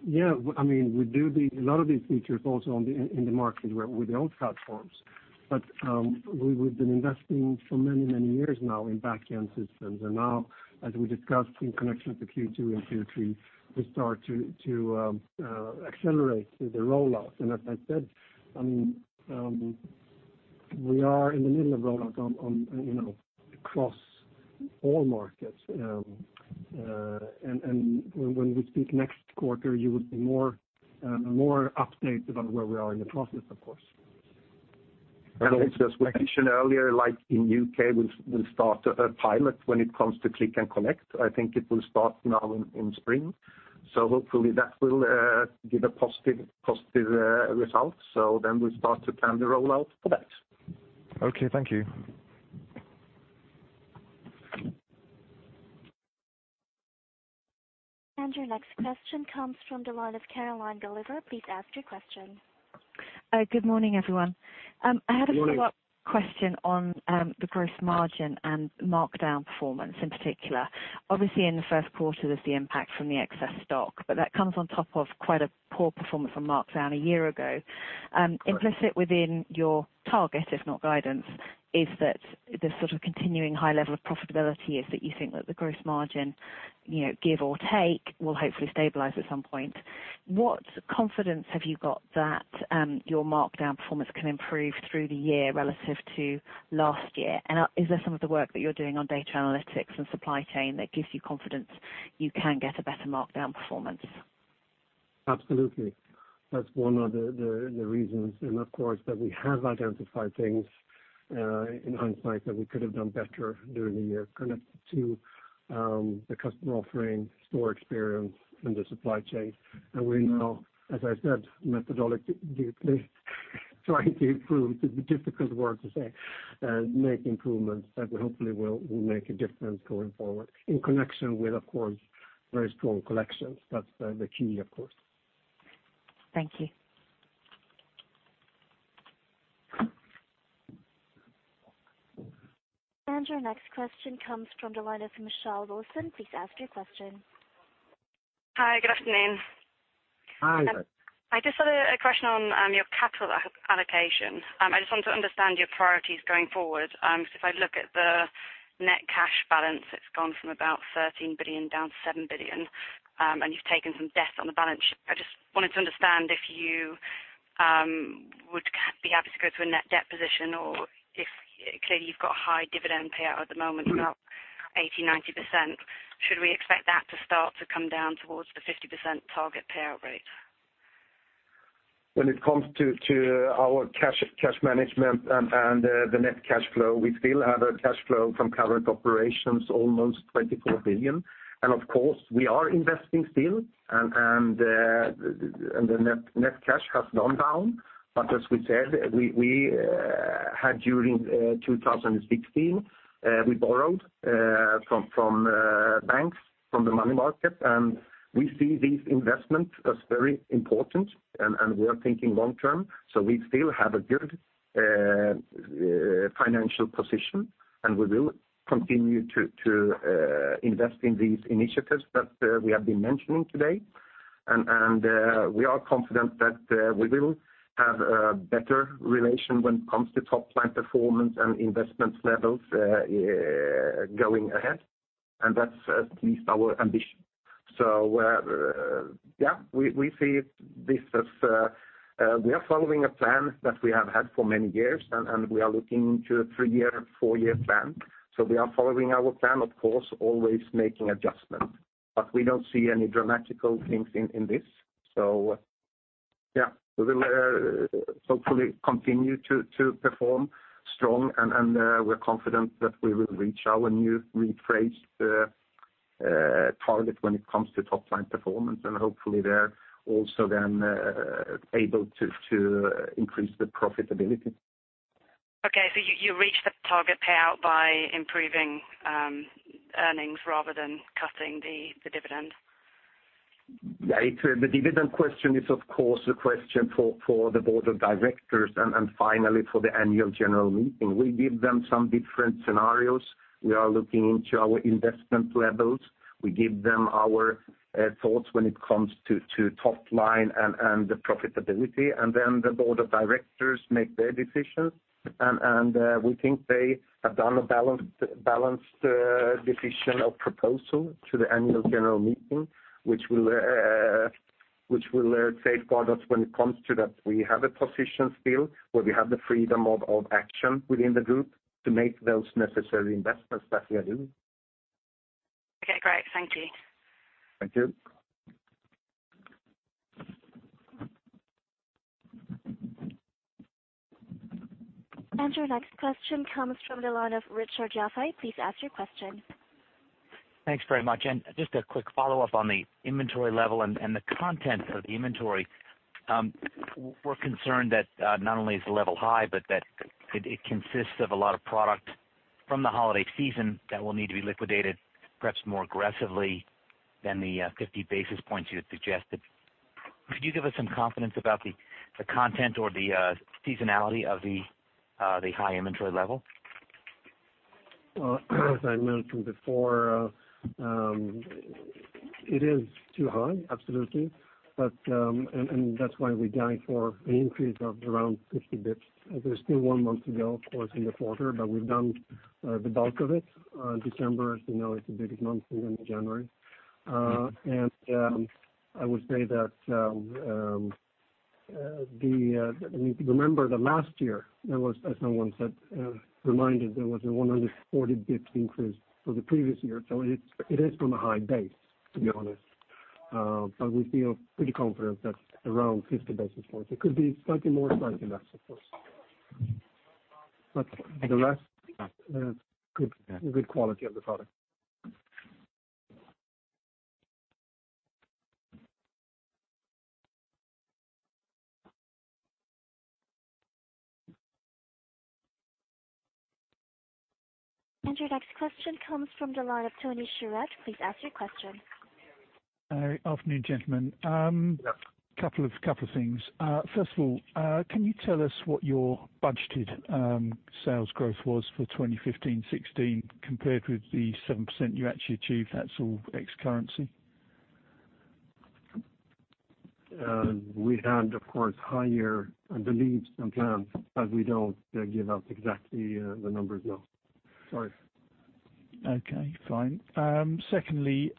Yeah. We do a lot of these features also in the markets with the old platforms. We've been investing for many, many years now in backend systems. Now, as we discussed in connection to Q2 and Q3, we start to accelerate the rollout. As I said, we are in the middle of rollout across all markets. When we speak next quarter, you will be more updated on where we are in the process, of course. As we mentioned earlier, like in U.K., we'll start a pilot when it comes to click and collect. I think it will start now in spring. Hopefully that will give a positive result. Then we start to plan the rollout for that. Okay, thank you. Your next question comes from the line of Caroline Gulliver. Please ask your question. Good morning, everyone. Good morning. I had a follow-up question on the gross margin and markdown performance in particular. Obviously, in the first quarter, there's the impact from the excess stock, but that comes on top of quite a poor performance on markdown a year ago. Implicit within your target, if not guidance, is that the sort of continuing high level of profitability is that you think that the gross margin, give or take, will hopefully stabilize at some point. What confidence have you got that your markdown performance can improve through the year relative to last year? Is there some of the work that you're doing on data analytics and supply chain that gives you confidence you can get a better markdown performance? Absolutely. That's one of the reasons. Of course, that we have identified things in hindsight that we could have done better during the year, connected to the customer offering, store experience, and the supply chain. We now, as I said, methodically trying to improve, it's a difficult word to say, make improvements that will hopefully make a difference going forward in connection with, of course, very strong collections. That's the key, of course. Thank you. Your next question comes from the line of Michelle Wilson. Please ask your question. Hi, good afternoon. Hi. I just had a question on your capital allocation. I just want to understand your priorities going forward. If I look at the net cash balance, it's gone from about 13 billion down to 7 billion, and you've taken some debts on the balance sheet. I just wanted to understand if you would be happy to go to a net debt position, or if, clearly, you've got high dividend payout at the moment, about 80%-90%. Should we expect that to start to come down towards the 50% target payout rate? When it comes to our cash management and the net cash flow, we still have a cash flow from current operations, almost 24 billion. Of course, we are investing still, and the net cash has gone down. As we said, during 2016, we borrowed from banks, from the money market. We see these investments as very important, and we are thinking long term. We still have a good financial position, and we will continue to invest in these initiatives that we have been mentioning today. We are confident that we will have a better relation when it comes to top-line performance and investment levels going ahead, and that's at least our ambition. We are following a plan that we have had for many years, and we are looking into a three-year, four-year plan. We are following our plan, of course, always making adjustments. We don't see any dramatic things in this. We will hopefully continue to perform strong, and we are confident that we will reach our new rephrased target when it comes to top-line performance. Hopefully there, also then able to increase the profitability. You reach the target payout by improving earnings rather than cutting the dividend? Yeah. The dividend question is of course the question for the Board of Directors and finally for the Annual General Meeting. We give them some different scenarios. We are looking into our investment levels. We give them our thoughts when it comes to top-line and the profitability, then the Board of Directors make their decisions. We think they have done a balanced decision of proposal to the Annual General Meeting, which will safeguard us when it comes to that we have a position still where we have the freedom of action within the group to make those necessary investments that we are doing. Okay, great. Thank you. Thank you. Your next question comes from the line of Richard Jalife. Please ask your question. Thanks very much. Just a quick follow-up on the inventory level and the content of the inventory. We're concerned that not only is the level high, but that it consists of a lot of product from the holiday season that will need to be liquidated, perhaps more aggressively than the 50 basis points you had suggested. Could you give us some confidence about the content or the seasonality of the high inventory level? Well, as I mentioned before, it is too high, absolutely. That's why we guide for an increase of around 50 basis points. There's still one month to go, of course, in the quarter, but we've done the bulk of it. December, as you know, is the biggest month, then January. I would say that, if you remember that last year, there was, as someone said, reminded there was a 140 basis points increase for the previous year. It is from a high base, to be honest. We feel pretty confident that around 50 basis points. It could be slightly more, slightly less, of course. The rest, good quality of the product. Your next question comes from the line of Tony Charette. Please ask your question. Hi. Afternoon, gentlemen. Yeah. Couple of things. First of all, can you tell us what your budgeted sales growth was for 2015, 2016 compared with the 7% you actually achieved? That's all ex currency. We had, of course, higher underneath the plan. We don't give out exactly the numbers, no. Sorry. Okay, fine. Secondly,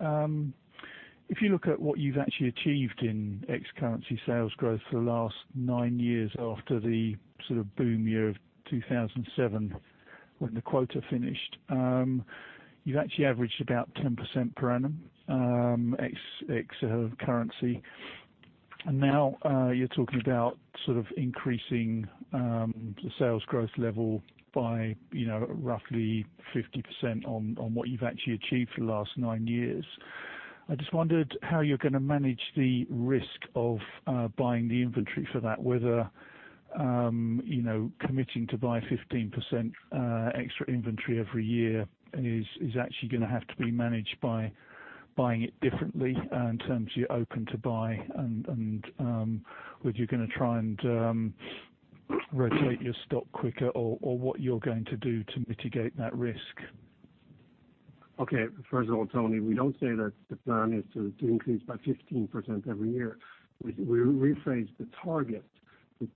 if you look at what you've actually achieved in ex currency sales growth for the last nine years after the sort of boom year of 2007 when the quota finished. You've actually averaged about 10% per annum, ex currency. Now, you're talking about increasing the sales growth level by roughly 50% on what you've actually achieved for the last nine years. I just wondered how you're going to manage the risk of buying the inventory for that, whether committing to buy 15% extra inventory every year is actually going to have to be managed by buying it differently in terms of you're open to buy, and whether you're going to try and rotate your stock quicker or what you're going to do to mitigate that risk. Okay. First of all, Tony, we don't say that the plan is to increase by 15% every year. We rephrased the target.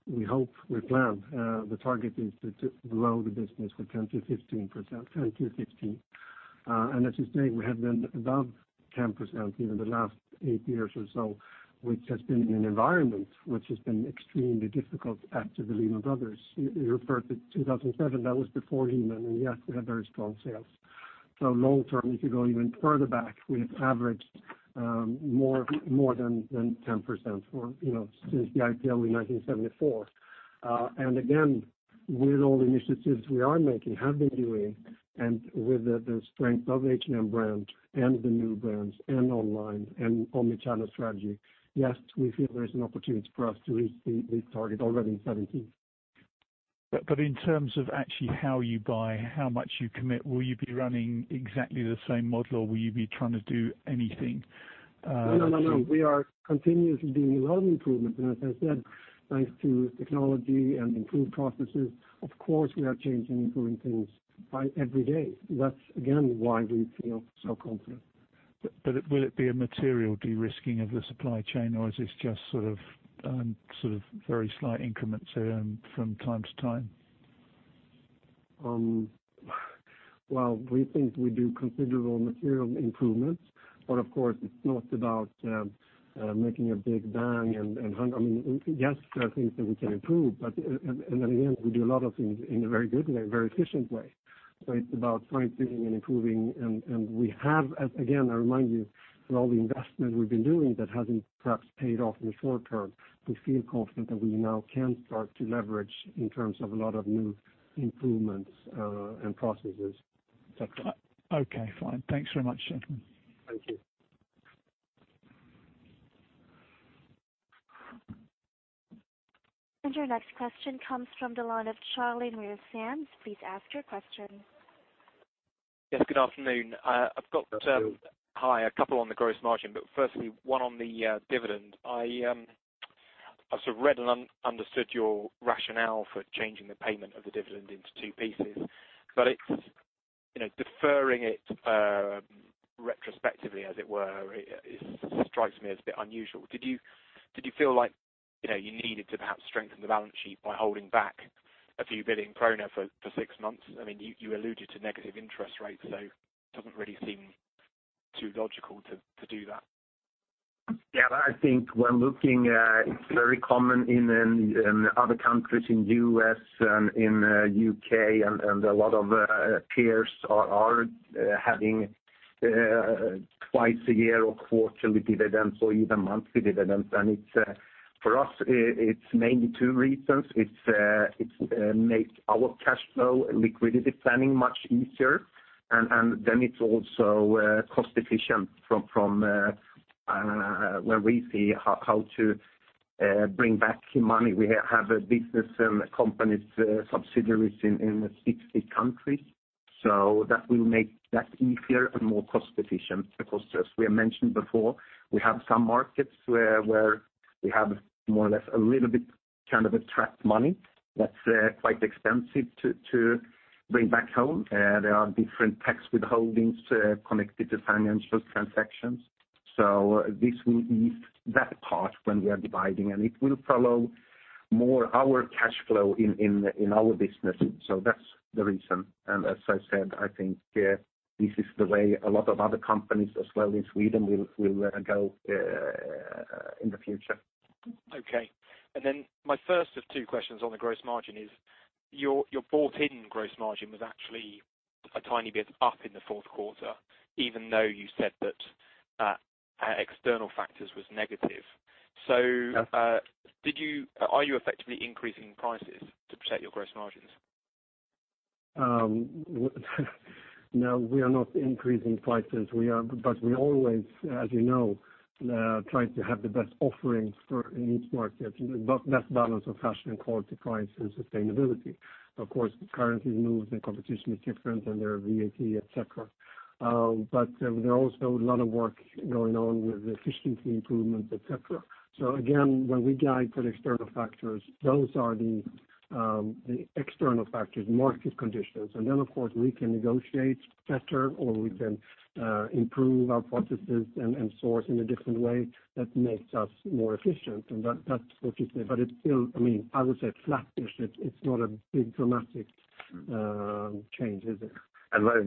We hope, we plan, the target is to grow the business with 10%-15%, 10%-15%. As you say, we have been above 10% in the last eight years or so, which has been in an environment which has been extremely difficult at the H&M and others. You referred to 2007, that was before [Hennes], and yes, we had very strong sales. Long term, if you go even further back, we have averaged more than 10% since the IPO in 1974. With all the initiatives we are making, have been doing, and with the strength of H&M brand and the new brands and online and omni-channel strategy, yes, we feel there is an opportunity for us to reach the target already in 2017. In terms of actually how you buy, how much you commit, will you be running exactly the same model, or will you be trying to do anything? No, we are continuously doing a lot of improvement. As I said, thanks to technology and improved processes, of course, we are changing, improving things by every day. That's again, why we feel so confident. Will it be a material de-risking of the supply chain or is this just very slight increments from time to time? We think we do considerable material improvements. Of course, it's not about making a big bang. Yes, there are things that we can improve. Again, we do a lot of things in a very good way, very efficient way. It's about fine-tuning and improving. We have, again, I remind you that all the investment we've been doing that hasn't perhaps paid off in the short term, we feel confident that we now can start to leverage in terms of a lot of new improvements, processes, et cetera. Okay, fine. Thanks very much. Thank you. Your next question comes from the line of Charlie Lewis Sams, please ask your question. Yes, good afternoon. Good afternoon. I've got, hi, a couple on the gross margin, firstly one on the dividend. I've read and understood your rationale for changing the payment of the dividend into two pieces, it's deferring it retrospectively, as it were. It strikes me as a bit unusual. Did you feel like you needed to perhaps strengthen the balance sheet by holding back a few billion SEK for six months? You alluded to negative interest rates, it doesn't really seem too logical to do that. I think when looking, it's very common in other countries, in U.S., in U.K., a lot of peers are having twice a year or quarterly dividends or even monthly dividends. For us, it's mainly two reasons. It makes our cash flow and liquidity planning much easier, it's also cost efficient from where we see how to bring back money. We have a business and the company's subsidiaries in 60 countries. That will make that easier and more cost efficient, because as we mentioned before, we have some markets where we have more or less a little bit of trapped money that's quite expensive to bring back home. There are different tax withholdings connected to financial transactions. This will ease that part when we are dividing, it will follow more our cash flow in our business. That's the reason. As I said, I think this is the way a lot of other companies as well in Sweden will go in the future. Okay. My first of two questions on the gross margin is, your bought-in gross margin was actually a tiny bit up in the fourth quarter, even though you said that external factors was negative. Are you effectively increasing prices to protect your gross margins? No, we are not increasing prices. We always, as you know, try to have the best offerings for in each market, best balance of fashion and quality, price, and sustainability. Of course, currencies move, the competition is different, and there are VAT, et cetera. There are also a lot of work going on with efficiency improvements, et cetera. Again, when we guide for the external factors, those are the external factors, market conditions. Of course, we can negotiate better or we can improve our processes and source in a different way that makes us more efficient. That's what you say. It's still, as I said, flattish. It's not a big dramatic change, is it?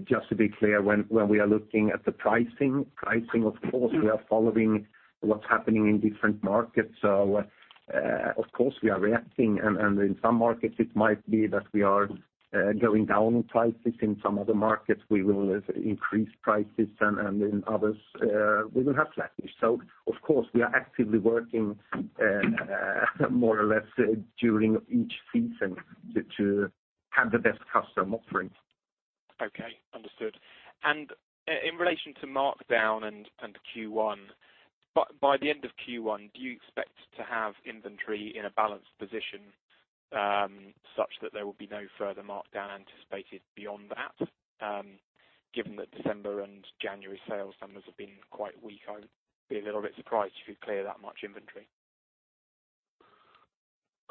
Just to be clear, when we are looking at the pricing, of course, we are following what's happening in different markets. Of course, we are reacting, and in some markets it might be that we are going down on prices. In some other markets, we will increase prices, and in others, we will have flattish. Of course, we are actively working more or less during each season to have the best customer offering. Okay. Understood. In relation to markdown and Q1, by the end of Q1, do you expect to have inventory in a balanced position, such that there will be no further markdown anticipated beyond that? Given that December and January sales numbers have been quite weak, I would be a little bit surprised if you clear that much inventory.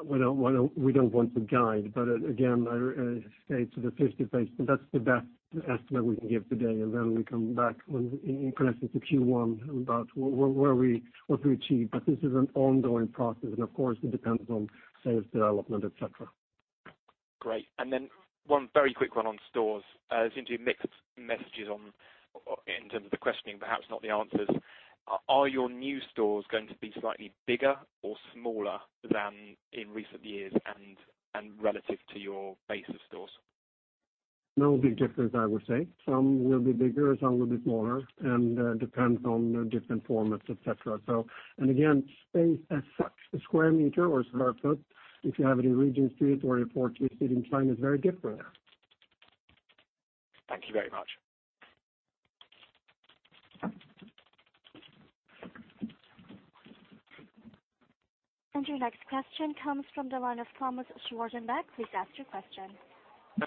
We don't want to guide, again, I stay to the 50 basis points. That's the best estimate we can give today, we come back in connection to Q1 about what we achieve. This is an ongoing process, it depends on sales development, et cetera. Great. One very quick one on stores. Seemed to be mixed messages in terms of the questioning, perhaps not the answers. Are your new stores going to be slightly bigger or smaller than in recent years and relative to your base of stores? No big difference, I would say. Some will be bigger, some will be smaller, depends on different formats, et cetera. Space as such, the square meter or square foot, if you have it in Regent Street or if for instance in China, it's very different. Thank you very much. Your next question comes from the line of Thomas Schwarzenbach. Please ask your question.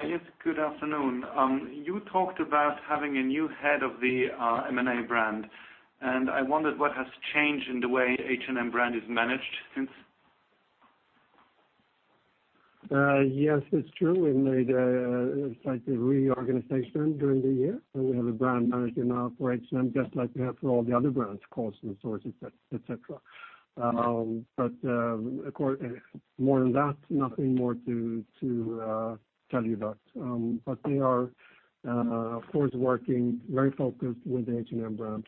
Yes. Good afternoon. You talked about having a new head of the H&M Brand, and I wondered what has changed in the way H&M Brand is managed since. Yes, it's true. We've made a slight reorganization during the year. We have a brand manager now for H&M, just like we have for all the other brands, COS and & Other Stories, et cetera. More on that, nothing more to tell you that. We are of course, working very focused with the H&M Brand.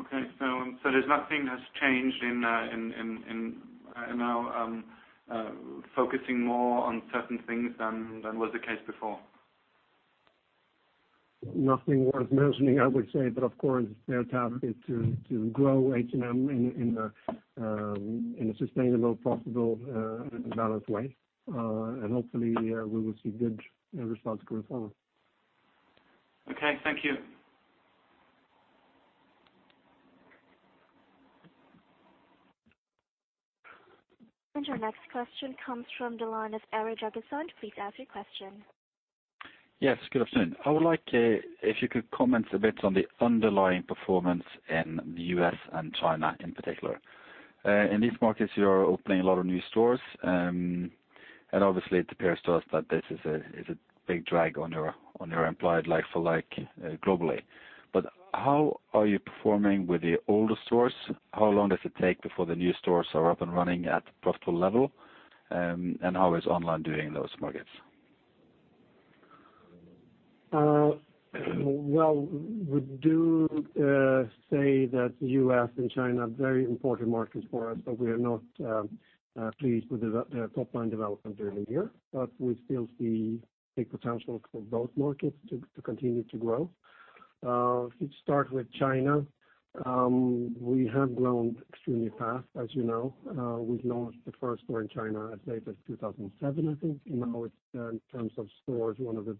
Okay. There's nothing that's changed in now focusing more on certain things than was the case before? Nothing worth mentioning, I would say. Of course, their task is to grow H&M in a sustainable, profitable, and balanced way. Hopefully, we will see good results going forward. Okay. Thank you. Your next question comes from the line of Eric Jagerson. Please ask your question. Yes, good afternoon. I would like if you could comment a bit on the underlying performance in the U.S. and China in particular. In these markets, you're opening a lot of new stores, obviously it appears to us that this is a big drag on your implied like-for-like globally. How are you performing with the older stores? How long does it take before the new stores are up and running at profitable level? How is online doing in those markets? Well, we do say that the U.S. and China are very important markets for us, we are not pleased with their top-line development during the year. We still see big potential for both markets to continue to grow. If you start with China, we have grown extremely fast, as you know. We've launched the first store in China as late as 2007, I think. Now it's, in terms of stores, one of the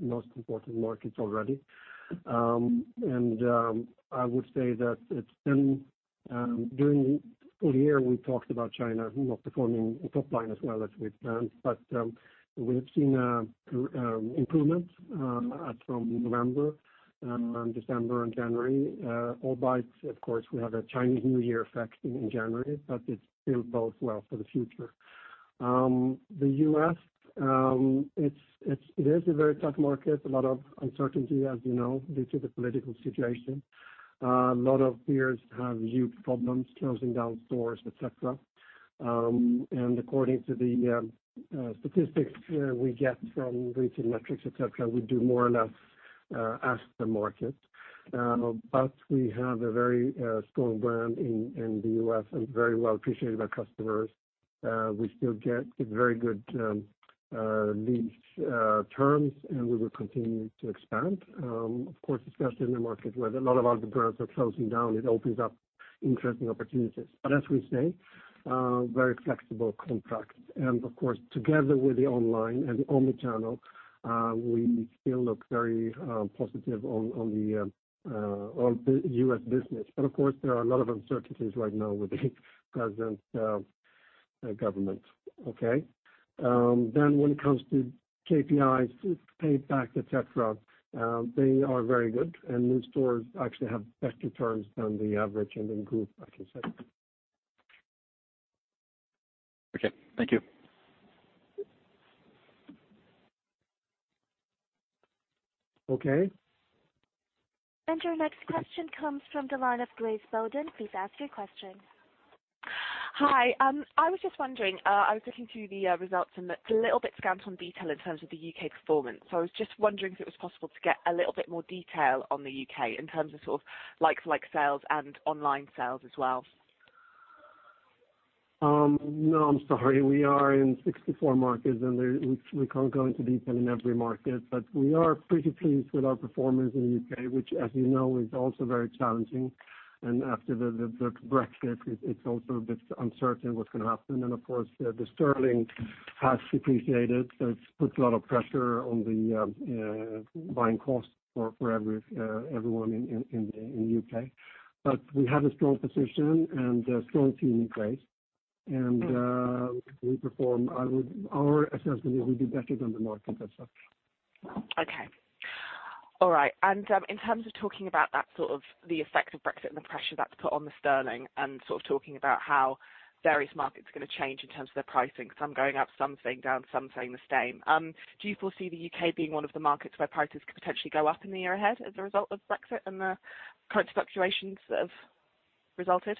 most important markets already. I would say that it's been during the full year, we've talked about China not performing in top line as well as we'd planned. We have seen improvements from November and December and January, albeit, of course, we have a Chinese New Year effect in January, but it still bodes well for the future. The U.S., it is a very tough market, a lot of uncertainty, as you know, due to the political situation. A lot of peers have huge problems closing down stores, et cetera. According to the statistics we get from Retail Metrics, et cetera, we do more or less as the market. We have a very strong brand in the U.S. and very well appreciated by customers. We still get very good lease terms, we will continue to expand. Of course, especially in a market where a lot of other brands are closing down, it opens up interesting opportunities. As we say, very flexible contracts. Of course, together with the online and omnichannel, we still look very positive on the U.S. business. Of course, there are a lot of uncertainties right now with the present government. Okay. When it comes to KPIs, payback, et cetera, they are very good, new stores actually have better terms than the average and in group, I can say. Okay. Thank you. Okay. Your next question comes from the line of Grace Bowden. Please ask your question. Hi. I was just wondering, I was looking through the results, it's a little bit scant on detail in terms of the U.K. performance. I was just wondering if it was possible to get a little bit more detail on the U.K. in terms of like-for-like sales and online sales as well. No, I'm sorry. We are in 64 markets, we can't go into detail in every market. We are pretty pleased with our performance in the U.K., which, as you know, is also very challenging. After the Brexit, it's also a bit uncertain what's going to happen. Of course, the sterling has depreciated, it's put a lot of pressure on the buying costs for everyone in the U.K. We have a strong position and a strong team in place, our assessment is we do better than the market itself. In terms of talking about that sort of the effect of Brexit and the pressure that's put on the sterling and sort of talking about how various markets are going to change in terms of their pricing, because some going up, some staying down, some staying the same. Do you foresee the U.K. being one of the markets where prices could potentially go up in the year ahead as a result of Brexit and the current fluctuations that have resulted?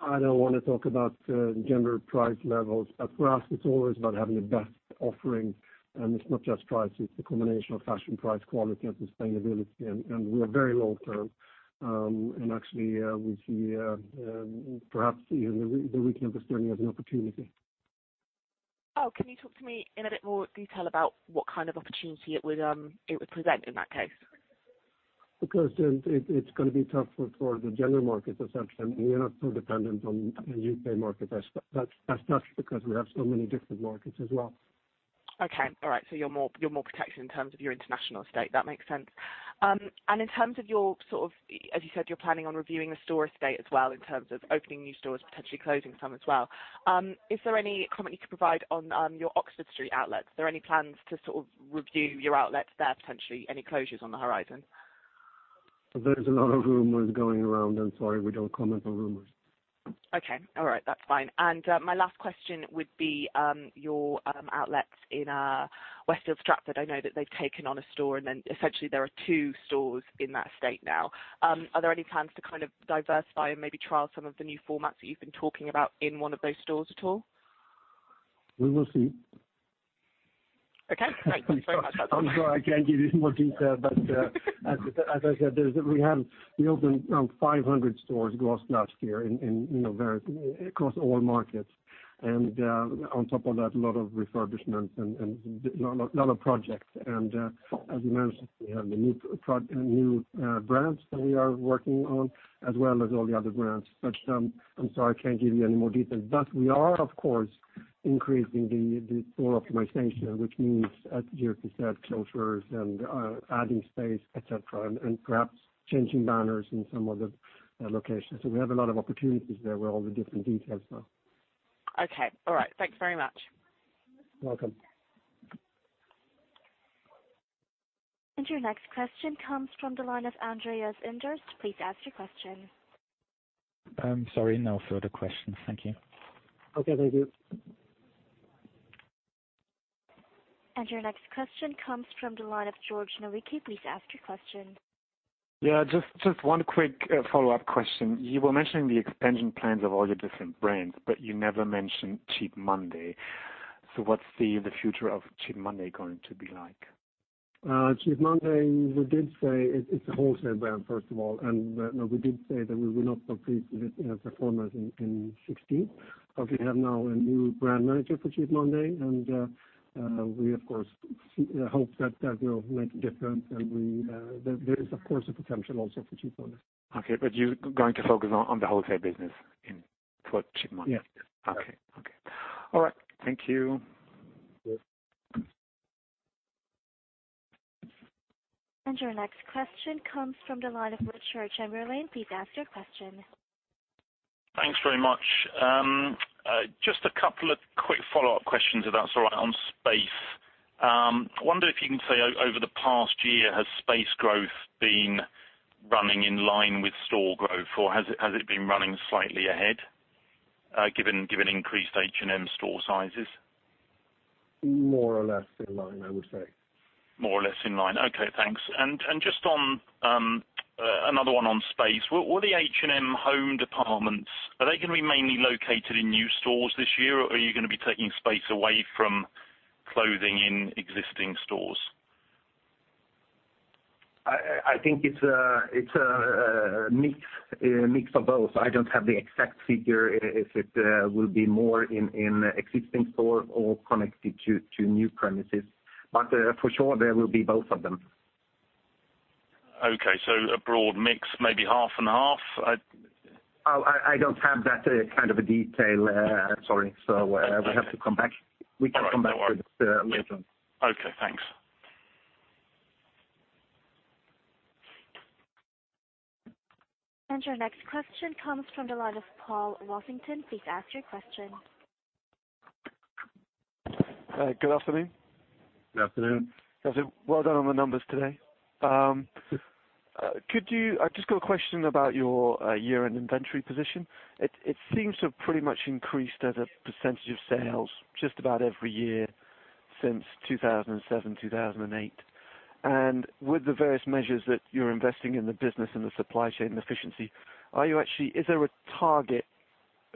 I don't want to talk about general price levels. For us, it's always about having the best offering, and it's not just price. It's a combination of fashion, price, quality, and sustainability. We are very long-term. Actually, we see perhaps even the weakening of the sterling as an opportunity. Can you talk to me in a bit more detail about what kind of opportunity it would present in that case? It's going to be tough for the general market as such. We are not so dependent on the U.K. market. That's just because we have so many different markets as well. Okay. All right. You're more protected in terms of your international state. That makes sense. In terms of your sort of, as you said, you're planning on reviewing the store estate as well in terms of opening new stores, potentially closing some as well. Is there any comment you can provide on your Oxford Street outlets? Are there any plans to sort of review your outlets there, potentially any closures on the horizon? There's a lot of rumors going around. I'm sorry, we don't comment on rumors. Okay. All right. That's fine. My last question would be your outlets in Westfield Stratford. I know that they've taken on a store and then essentially there are two stores in that state now. Are there any plans to diversify and maybe trial some of the new formats that you've been talking about in one of those stores at all? We will see. Okay. Thank you very much. I'm sorry I can't give you more detail, but as I said, we opened around 500 stores gross last year across all markets. On top of that, a lot of refurbishments and a lot of projects. As you mentioned, we have the new brands that we are working on, as well as all the other brands. I'm sorry, I can't give you any more details. We are, of course, increasing the store optimization, which means, as Jyrki said, closures and adding space, et cetera, and perhaps changing banners in some of the locations. We have a lot of opportunities there with all the different details now. Okay. All right. Thanks very much. Welcome. Your next question comes from the line of Andreas Enders. Please ask your question. Sorry, no further questions. Thank you. Okay. Thank you. Your next question comes from the line of George Nowicki. Please ask your question. Yeah, just one quick follow-up question. You were mentioning the expansion plans of all your different brands, but you never mentioned Cheap Monday. What's the future of Cheap Monday going to be like? Cheap Monday, it's a wholesale brand, first of all. We did say that we will not compete with performance in 2016. We have now a new brand manager for Cheap Monday and we, of course, hope that that will make a difference. There is, of course, a potential also for Cheap Monday. Okay, you're going to focus on the wholesale business for Cheap Monday? Yes. Okay. All right. Thank you. Yes. Your next question comes from the line of Richard Chamberlain. Please ask your question. Thanks very much. Just a couple of quick follow-up questions, if that's all right, on space. I wonder if you can say, over the past year, has space growth been running in line with store growth, or has it been running slightly ahead given increased H&M store sizes? More or less in line, I would say. Just another one on space. With all the H&M HOME departments, are they going to be mainly located in new stores this year, or are you going to be taking space away from clothing in existing stores? I think it's a mix of both. I don't have the exact figure, if it will be more in existing stores or connected to new premises. For sure, there will be both of them. Okay. A broad mix, maybe half and half? I don't have that kind of a detail. Sorry. We have to come back. We can come back with that later on. Okay, thanks. Your next question comes from the line of Paul Washington. Please ask your question. Good afternoon. Good afternoon. Well done on the numbers today. Thank you. I just got a question about your year-end inventory position. It seems to have pretty much increased as a percentage of sales just about every year since 2007, 2008. With the various measures that you're investing in the business and the supply chain efficiency, is there a target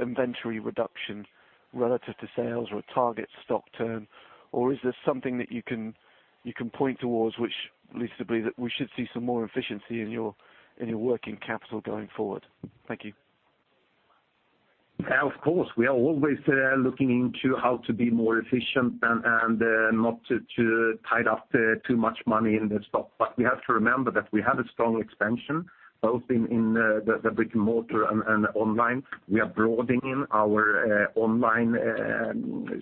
inventory reduction relative to sales or a target stock turn, or is there something that you can point towards which leads to believe that we should see some more efficiency in your working capital going forward? Thank you. Of course, we are always looking into how to be more efficient and not to tied up too much money in the stock. We have to remember that we have a strong expansion, both in the brick-and-mortar and online. We are broadening our online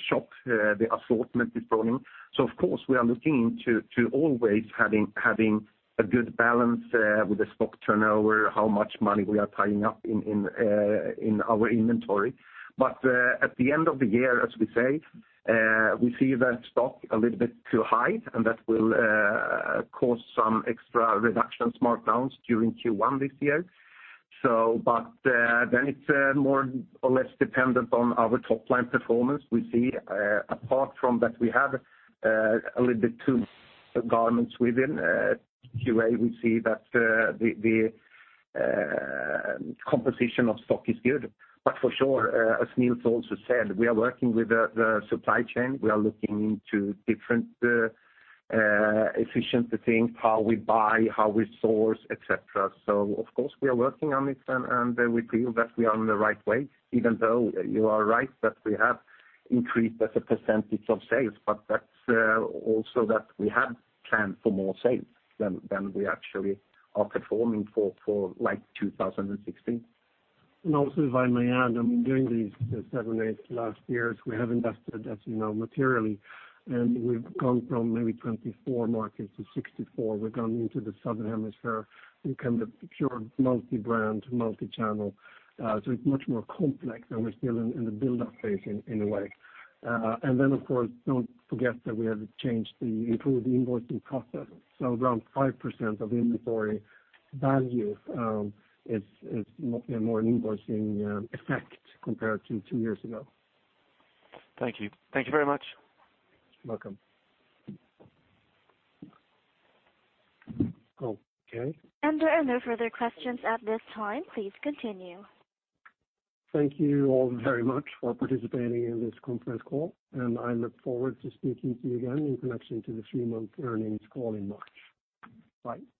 shop, the assortment is broadening. Of course, we are looking into always having a good balance with the stock turnover, how much money we are tying up in our inventory. At the end of the year, as we say, we see the stock a little bit too high, and that will cause some extra reductions, markdowns during Q1 this year. Then it's more or less dependent on our top-line performance. We see, apart from that we have a little bit too garments within Q4, we see that the composition of stock is good. For sure, as Nils also said, we are working with the supply chain. We are looking into different efficiency things, how we buy, how we source, et cetera. Of course, we are working on it, and we feel that we are on the right way, even though you are right that we have increased as a percentage of sales, but that's also that we have planned for more sales than we actually are performing for 2016. Also, if I may add, during these seven, eight last years, we have invested, as you know, materially, and we've gone from maybe 24 markets to 64. We've gone into the Southern Hemisphere in kind of pure multi-brand, multi-channel. It's much more complex, and we're still in the buildup phase in a way. Then, of course, don't forget that we have improved the invoicing process. Around 5% of inventory value is more an invoicing effect compared to two years ago. Thank you. Thank you very much. Welcome. Okay. There are no further questions at this time. Please continue. Thank you all very much for participating in this conference call, and I look forward to speaking to you again in connection to the three-month earnings call in March. Bye.